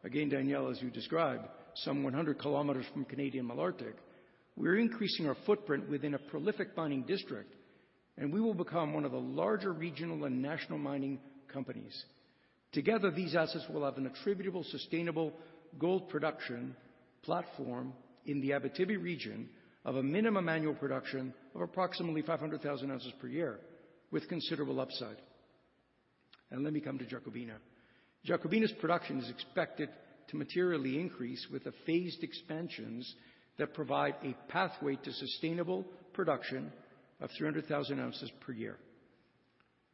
again, Daniel, as you described, some 100 kilometers from Canadian Malartic, we're increasing our footprint within a prolific mining district, and we will become one of the larger regional and national mining companies. Together, these assets will have an attributable, sustainable gold production platform in the Abitibi region of a minimum annual production of approximately 500,000 ozper year with considerable upside. Let me come to Jacobina. Jacobina's production is expected to materially increase with the phased expansions that provide a pathway to sustainable production of 300,000 oz per year.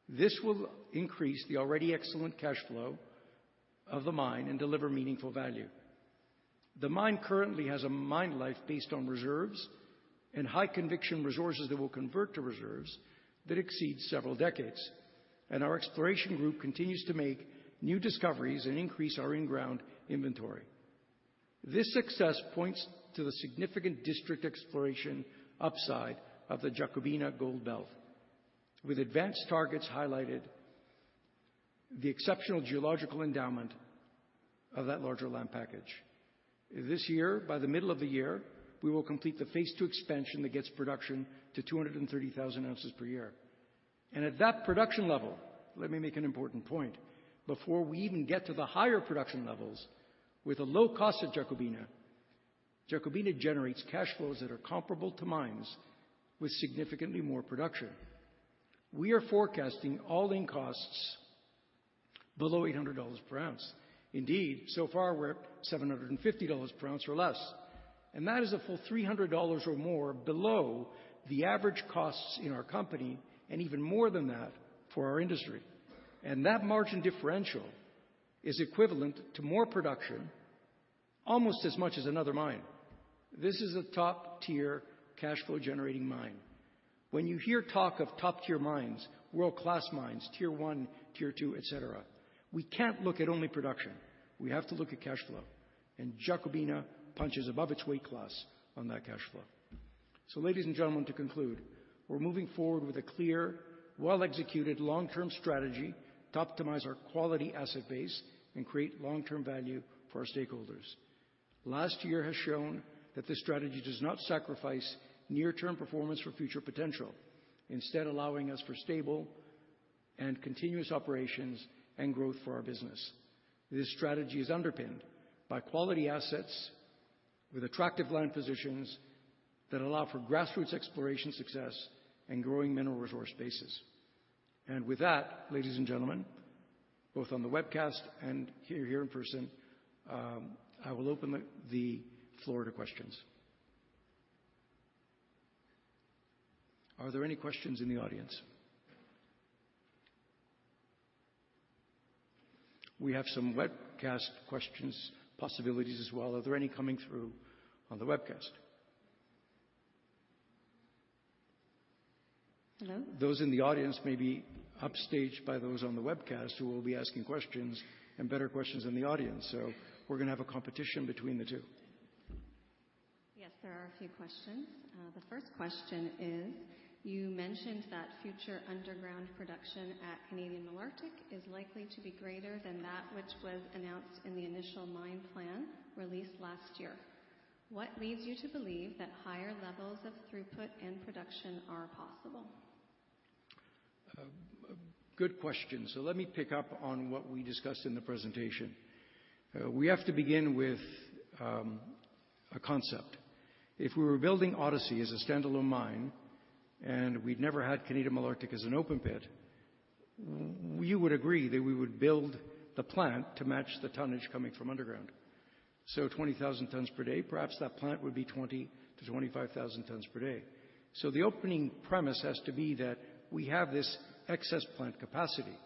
This will increase the already excellent cash flow of the mine and deliver meaningful value. The mine currently has a mine life based on reserves and high conviction resources that will convert to reserves that exceed several decades. Our exploration group continues to make new discoveries and increase our in-ground inventory. This success points to the significant district exploration upside of the Jacobina Gold Belt. With advanced targets highlighted the exceptional geological endowment of that larger land package. This year, by the middle of the year, we will complete the phase two expansion that gets production to 230,000 oz per year. At that production level, let me make an important point, before we even get to the higher production levels with a low cost at Jacobina generates cash flows that are comparable to mines with significantly more production. We are forecasting all-in costs below $800 per ounce. Indeed, so far we're at $750 per ounce or less, and that is a full $300 or more below the average costs in our company and even more than that for our industry. That margin differential is equivalent to more production, almost as much as another mine. This is a top-tier cash flow generating mine. When you hear talk of top-tier mines, world-class mines, tier one, tier two, et cetera, we can't look at only production. We have to look at cash flow, and Jacobina punches above its weight class on that cash flow. Ladies and gentlemen, to conclude, we're moving forward with a clear, well-executed long-term strategy to optimize our quality asset base and create long-term value for our stakeholders. Last year has shown that this strategy does not sacrifice near-term performance for future potential, instead allowing us for stable and continuous operations and growth for our business. This strategy is underpinned by quality assets with attractive land positions that allow for grassroots exploration success and growing mineral resource bases. With that, ladies and gentlemen, both on the webcast and here in person, I will open the floor to questions. Are there any questions in the audience? We have some webcast questions possibilities as well. Are there any coming through on the webcast? Hello. Those in the audience may be upstaged by those on the webcast who will be asking questions and better questions than the audience. We're gonna have a competition between the two. Yes, there are a few questions. The first question is: You mentioned that future underground production at Canadian Malartic is likely to be greater than that which was announced in the initial mine plan released last year. What leads you to believe that higher levels of throughput and production are possible? Good question. Let me pick up on what we discussed in the presentation. We have to begin with a concept. If we were building Odyssey as a standalone mine and we'd never had Canadian Malartic as an open pit, you would agree that we would build the plant to match the tonnage coming from underground. 20,000 Tons per day, perhaps that plant would be 20,000 to 25,000 tons per day. The opening premise has to be that we have this excess plant capacity.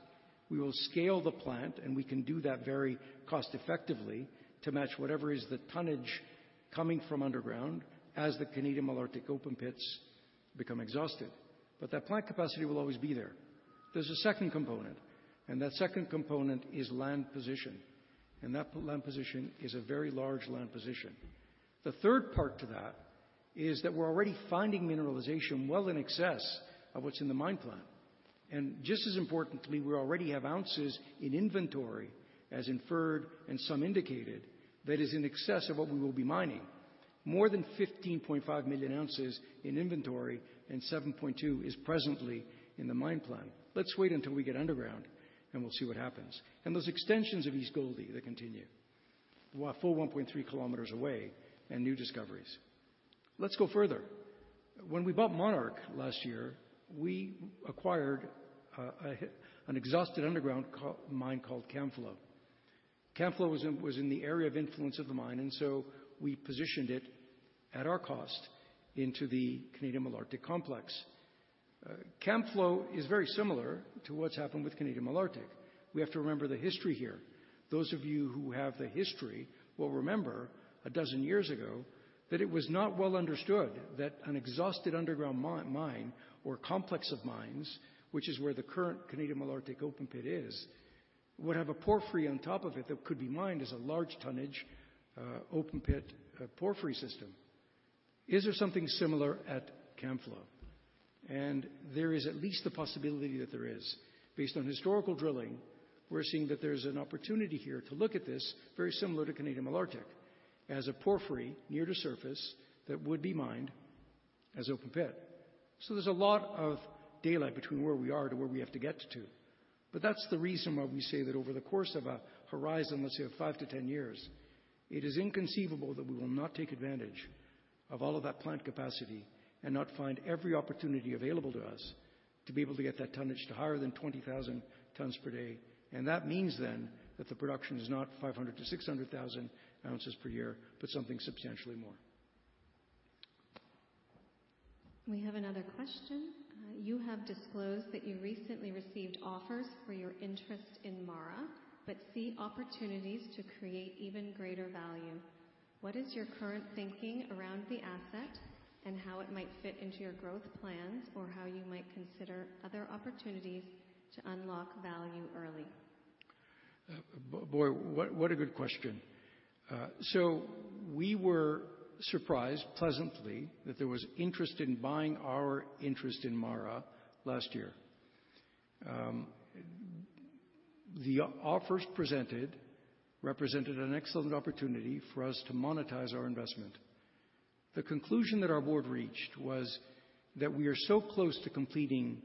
We will scale the plant, and we can do that very cost-effectively to match whatever is the tonnage coming from underground as the Canadian Malartic open pits become exhausted. That plant capacity will always be there. There's a second component, and that second component is land position, and that land position is a very large land position. The third part to that is that we're already finding mineralization well in excess of what's in the mine plan. Just as importantly, we already have oz in inventory as inferred and some indicated that is in excess of what we will be mining. More than 15.5 million oz in inventory and 7.2 is presently in the mine plan. Let's wait until we get underground, and we'll see what happens. Those extensions of East Goldie that continue. A full 1.3 kilometers away and new discoveries. Let's go further. When we bought Monarch last year, we acquired an exhausted underground mine called Camflo. Camflo was in the area of influence of the mine, and so we positioned it at our cost into the Canadian Malartic complex. Camflo is very similar to what's happened with Canadian Malartic. We have to remember the history here. Those of you who have the history will remember a dozen years ago that it was not well understood that an exhausted underground mine or complex of mines, which is where the current Canadian Malartic open pit is, would have a porphyry on top of it that could be mined as a large tonnage, open pit, porphyry system. Is there something similar at Camflo? There is at least the possibility that there is. Based on historical drilling, we're seeing that there's an opportunity here to look at this very similar to Canadian Malartic as a porphyry near the surface that would be mined as open pit. There's a lot of daylight between where we are to where we have to get to. That's the reason why we say that over the course of a horizon, let's say, of 5-10 years, it is inconceivable that we will not take advantage of all of that plant capacity and not find every opportunity available to us to be able to get that tonnage to higher than 20,000 tons per day. That means then that the production is not 500,000 to 600,000 oz per year, but something substantially more. We have another question. You have disclosed that you recently received offers for your interest in MARA, but see opportunities to create even greater value. What is your current thinking around the asset and how it might fit into your growth plans, or how you might consider other opportunities to unlock value early? Boy, what a good question. We were surprised pleasantly that there was interest in buying our interest in MARA last year. The offers presented represented an excellent opportunity for us to monetize our investment. The conclusion that our board reached was that we are so close to completing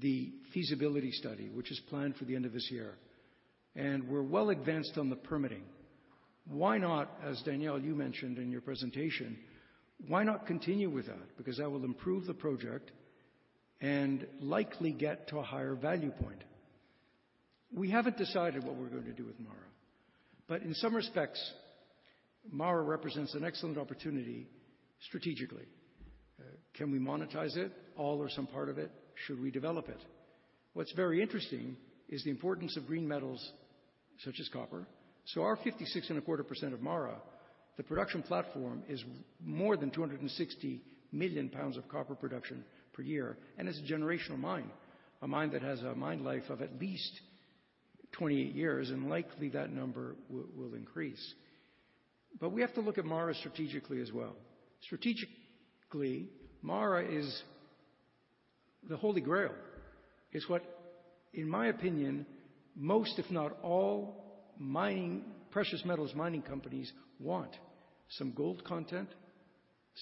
the feasibility study, which is planned for the end of this year, and we're well advanced on the permitting. Why not, as Daniel, you mentioned in your presentation, why not continue with that? Because that will improve the project and likely get to a higher value point. We haven't decided what we're going to do with MARA, but in some respects, MARA represents an excellent opportunity strategically. Can we monetize it all or some part of it? Should we develop it? What's very interesting is the importance of green metals such as copper. Our 56.25% of MARA, the production platform, is more than 260 million pounds of copper production per year, and it's a generational mine, a mine that has a mine life of at least 28 years, and likely that number will increase. We have to look at MARA strategically as well. Strategically, MARA is the Holy Grail. It's what, in my opinion, most if not all mining, precious metals mining companies want. Some gold content,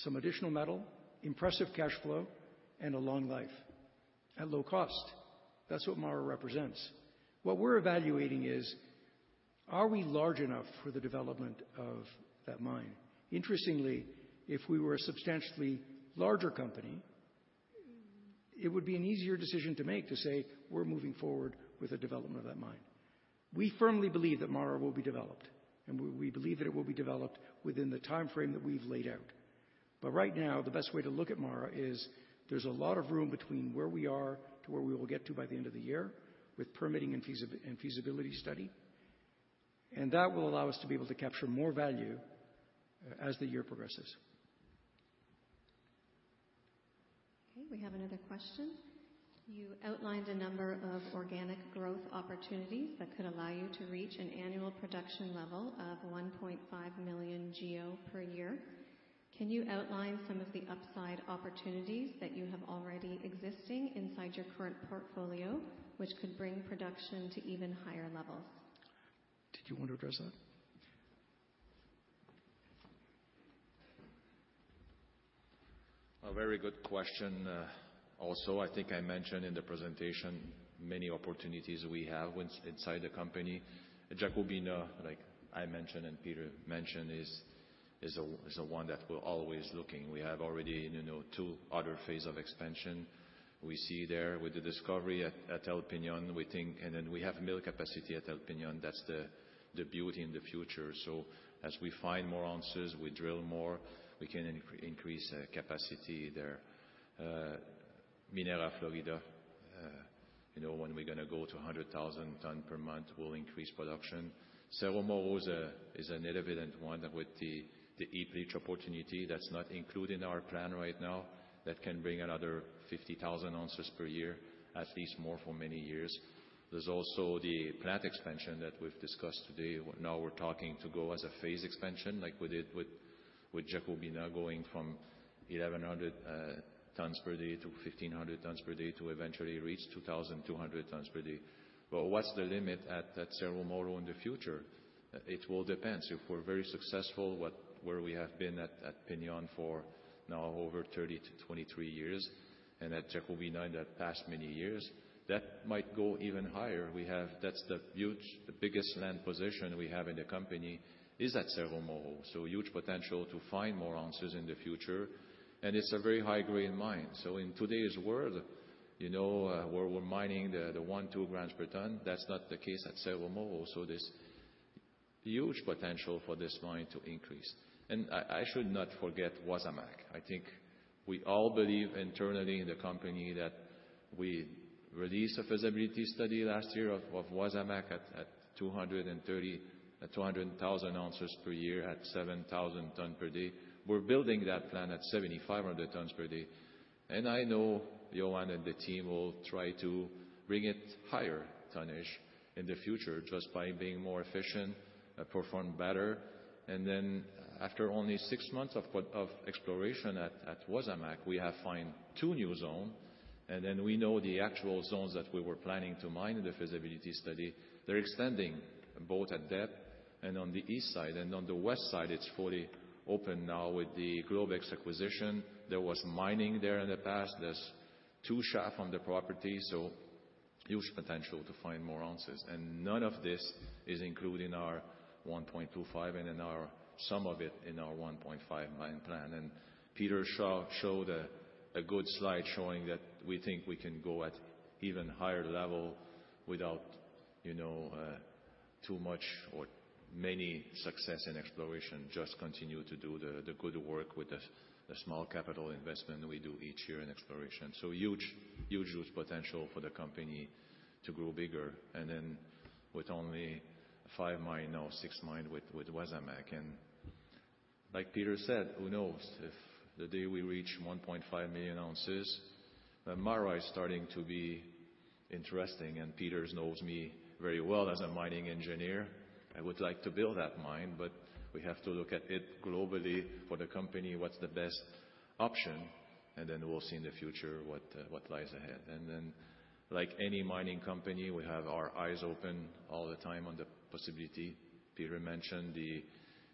some additional metal, impressive cash flow, and a long life at low cost. That's what MARA represents. What we're evaluating is, are we large enough for the development of that mine? Interestingly, if we were a substantially larger company, it would be an easier decision to make to say we're moving forward with the development of that mine. We firmly believe that MARA will be developed, and we believe that it will be developed within the timeframe that we've laid out. Right now, the best way to look at MARA is there's a lot of room between where we are to where we will get to by the end of the year with permitting and feasibility study. That will allow us to be able to capture more value, as the year progresses. Okay, we have another question. You outlined a number of organic growth opportunities that could allow you to reach an annual production level of 1.5 million GEO per year. Can you outline some of the upside opportunities that you have already existing inside your current portfolio, which could bring production to even higher levels? Did you want to address that? A very good question. Also, I think I mentioned in the presentation many opportunities we have inside the company. Jacobina, like I mentioned and Peter mentioned, is a one that we're always looking. We have already, you know, two other phase of expansion. We see there with the discovery at El Peñón, we think. Then we have mill capacity at El Peñón. That's the beauty in the future. As we find more answers, we drill more, we can increase capacity there. Minera Florida, you know, when we're gonna go to 100,000 tons per month, we'll increase production. Cerro Moro is an evident one that with the heap leach opportunity that's not included in our plan right now, that can bring another 50,000 ounces per year, at least more for many years. There's also the plant expansion that we've discussed today. Now we're talking to go as a phase expansion like we did with Jacobina going from 1,100 tons per day to 1,500 tons per day to eventually reach 2,200 tons per day. What's the limit at Cerro Moro in the future? It all depends. If we're very successful, where we have been at El Peñón for now over 30 to 23 years and at Jacobina in the past many years, that might go even higher. That's huge, the biggest land position we have in the company is at Cerro Moro, so huge potential to find more ounces in the future. It's a very high-grade mine. In today's world, you know, where we're mining the 1 to 2 grams per ton, that's not the case at Cerro Moro. There's huge potential for this mine to increase. I should not forget Wasamac. I think we all believe internally in the company that we released a feasibility study last year of Wasamac at 200,000 oz per year at 7,000 tons per day. We're building that plant at 7,500 tons per day. I know Johan and the team will try to bring it higher tonnage in the future just by being more efficient and perform better. Then after only 6 months of exploration at Wasamac, we have found two new zones. Then we know the actual zones that we were planning to mine in the feasibility study. They're extending both at depth and on the east side. On the west side, it's fully open now with the Globex acquisition. There was mining there in the past. There's two shafts on the property, so huge potential to find more ounces. None of this is included in our 1.25 and in our, some of it, in our 1.5 mine plan. Peter showed a good slide showing that we think we can go at even higher level without too much or many success in exploration. Just continue to do the good work with the small capital investment we do each year in exploration. Huge potential for the company to grow bigger. Then with only five mines or six mines with Wasamac. Like Peter said, who knows if the day we reach 1.5 million oz, then MARA is starting to be interesting. Peter knows me very well as a mining engineer. I would like to build that mine, but we have to look at it globally for the company, what's the best option, and then we'll see in the future what lies ahead. Like any mining company, we have our eyes open all the time on the possibility. Peter mentioned the,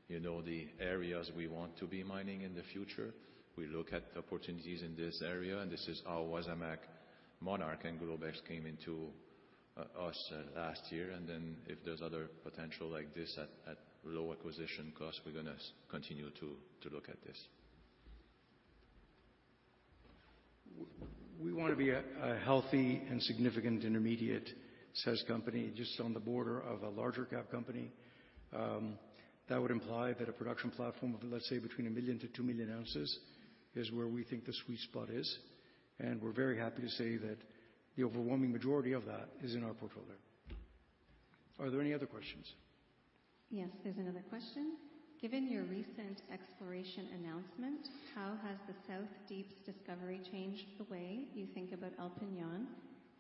you know, the areas we want to be mining in the future. We look at opportunities in this area, and this is how Wasamac, Monarch, and Globex came into us last year. If there's other potential like this at low acquisition cost, we're gonna continue to look at this. We want to be a healthy and significant intermediate scale company just on the border of a large-cap company. That would imply that a production platform of, let's say, between 1 million to 2 million oz is where we think the sweet spot is. We're very happy to say that the overwhelming majority of that is in our portfolio. Are there any other questions? Yes. There's another question. Given your recent exploration announcement, how has the South Wildcat's discovery changed the way you think about El Peñón?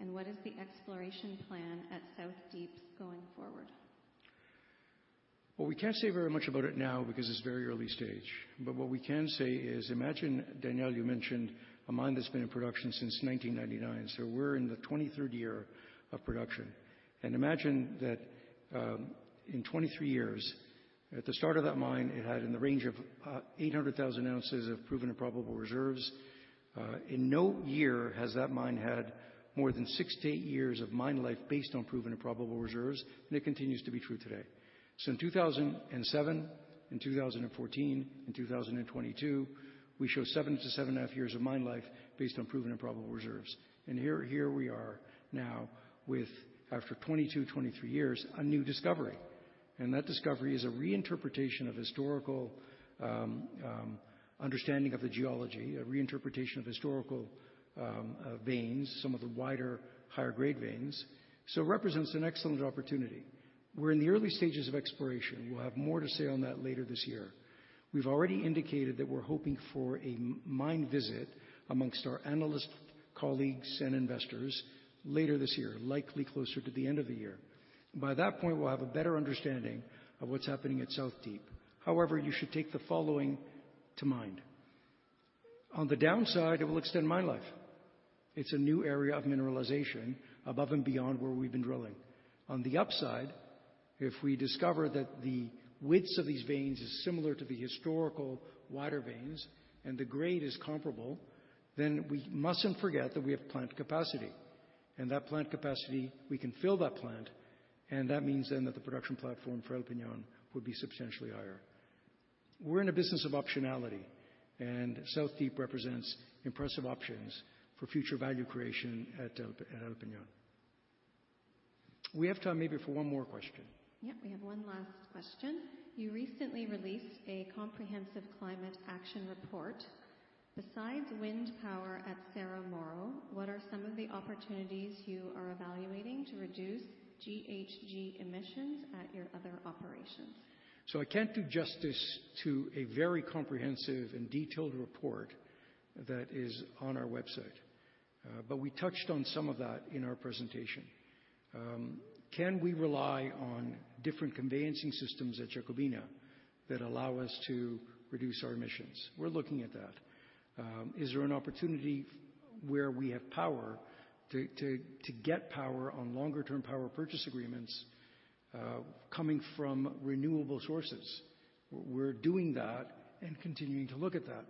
And what is the exploration plan at South Wildcat going forward? Well, we can't say very much about it now because it's very early stage. What we can say is, imagine, Daniel, you mentioned a mine that's been in production since 1999. We're in the 23rd year of production. Imagine that, in 23 years, at the start of that mine, it had in the range of 800,000 oz of proven and probable reserves. In no year has that mine had more than 6 to 8 years of mine life based on proven and probable reserves, and it continues to be true today. In 2007, in 2014, in 2022, we show 7 to 7.5 years of mine life based on proven and probable reserves. Here we are now with, after 22, 23 years, a new discovery. That discovery is a reinterpretation of historical understanding of the geology, a reinterpretation of historical veins, some of the wider higher grade veins. Represents an excellent opportunity. We're in the early stages of exploration. We'll have more to say on that later this year. We've already indicated that we're hoping for a mine visit among our analyst colleagues and investors later this year, likely closer to the end of the year. By that point, we'll have a better understanding of what's happening at South Deep. However, you should take the following to mind. On the upside, it will extend mine life. It's a new area of mineralization above and beyond where we've been drilling. On the upside, if we discover that the widths of these veins is similar to the historical wider veins and the grade is comparable, then we mustn't forget that we have plant capacity, and that plant capacity, we can fill that plant, and that means then that the production platform for El Peñón would be substantially higher. We're in a business of optionality, and South Deep represents impressive options for future value creation at El Peñón. We have time maybe for one more question. Yeah. We have one last question. You recently released a comprehensive climate action report. Besides wind power at Cerro Moro, what are some of the opportunities you are evaluating to reduce GHG emissions at your other operations? I can't do justice to a very comprehensive and detailed report that is on our website, but we touched on some of that in our presentation. Can we rely on different conveyor systems at Jacobina that allow us to reduce our emissions? We're looking at that. Is there an opportunity where we have power to get power on longer term power purchase agreements coming from renewable sources? We're doing that and continuing to look at that.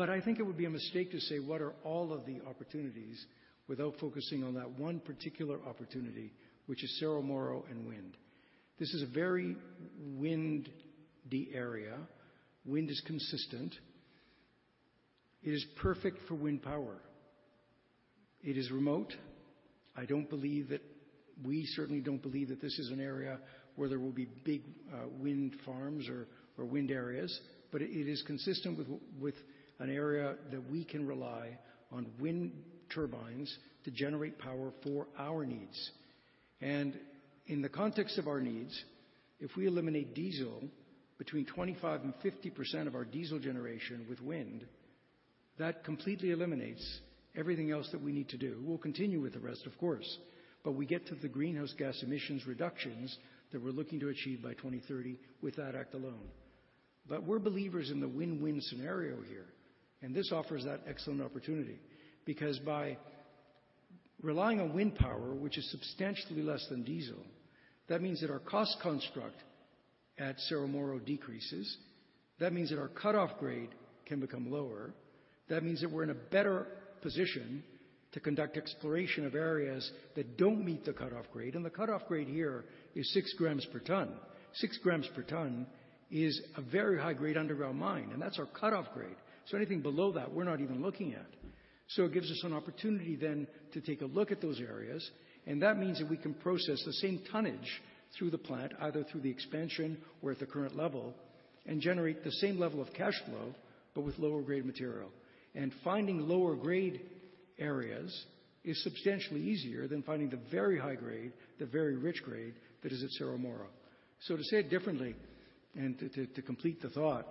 I think it would be a mistake to say what are all of the opportunities without focusing on that one particular opportunity, which is Cerro Moro and wind. This is a very windy area. Wind is consistent. It is perfect for wind power. It is remote. I don't believe that. We certainly don't believe that this is an area where there will be big wind farms or wind areas, but it is consistent with an area that we can rely on wind turbines to generate power for our needs. In the context of our needs, if we eliminate diesel between 25% and 50% of our diesel generation with wind, that completely eliminates everything else that we need to do. We'll continue with the rest, of course, but we get to the greenhouse gas emissions reductions that we're looking to achieve by 2030 with that act alone. We're believers in the win-win scenario here, and this offers that excellent opportunity, because by relying on wind power, which is substantially less than diesel, that means that our cost construct at Cerro Moro decreases. That means that our cutoff grade can become lower. That means that we're in a better position to conduct exploration of areas that don't meet the cutoff grade, and the cutoff grade here is 6 grams per ton. 6 grams per ton is a very high-grade underground mine, and that's our cutoff grade. Anything below that, we're not even looking at. It gives us an opportunity then to take a look at those areas, and that means that we can process the same tonnage through the plant, either through the expansion or at the current level, and generate the same level of cash flow, but with lower grade material. Finding lower grade areas is substantially easier than finding the very high grade, the very rich grade that is at Cerro Moro. To say it differently, and to complete the thought,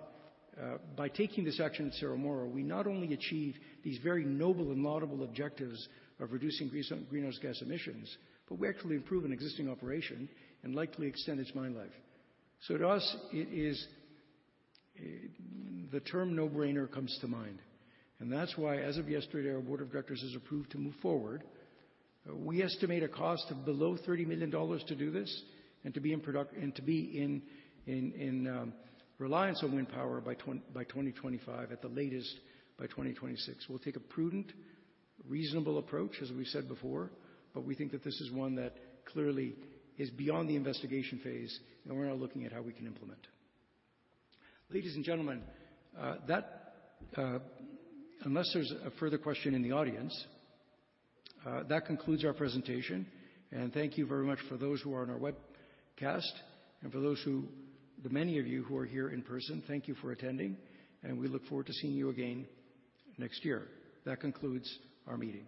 by taking this action at Cerro Moro, we not only achieve these very noble and laudable objectives of reducing greenhouse gas emissions, but we actually improve an existing operation and likely extend its mine life. To us, it is. The term no-brainer comes to mind, and that's why, as of yesterday, our board of directors has approved to move forward. We estimate a cost of below $30 million to do this and to be in reliance on wind power by 2025, at the latest, by 2026. We'll take a prudent, reasonable approach, as we said before, but we think that this is one that clearly is beyond the investigation phase, and we're now looking at how we can implement. Ladies and gentlemen, unless there's a further question in the audience, that concludes our presentation, and thank you very much for those who are on our webcast and the many of you who are here in person, thank you for attending, and we look forward to seeing you again next year. That concludes our meeting.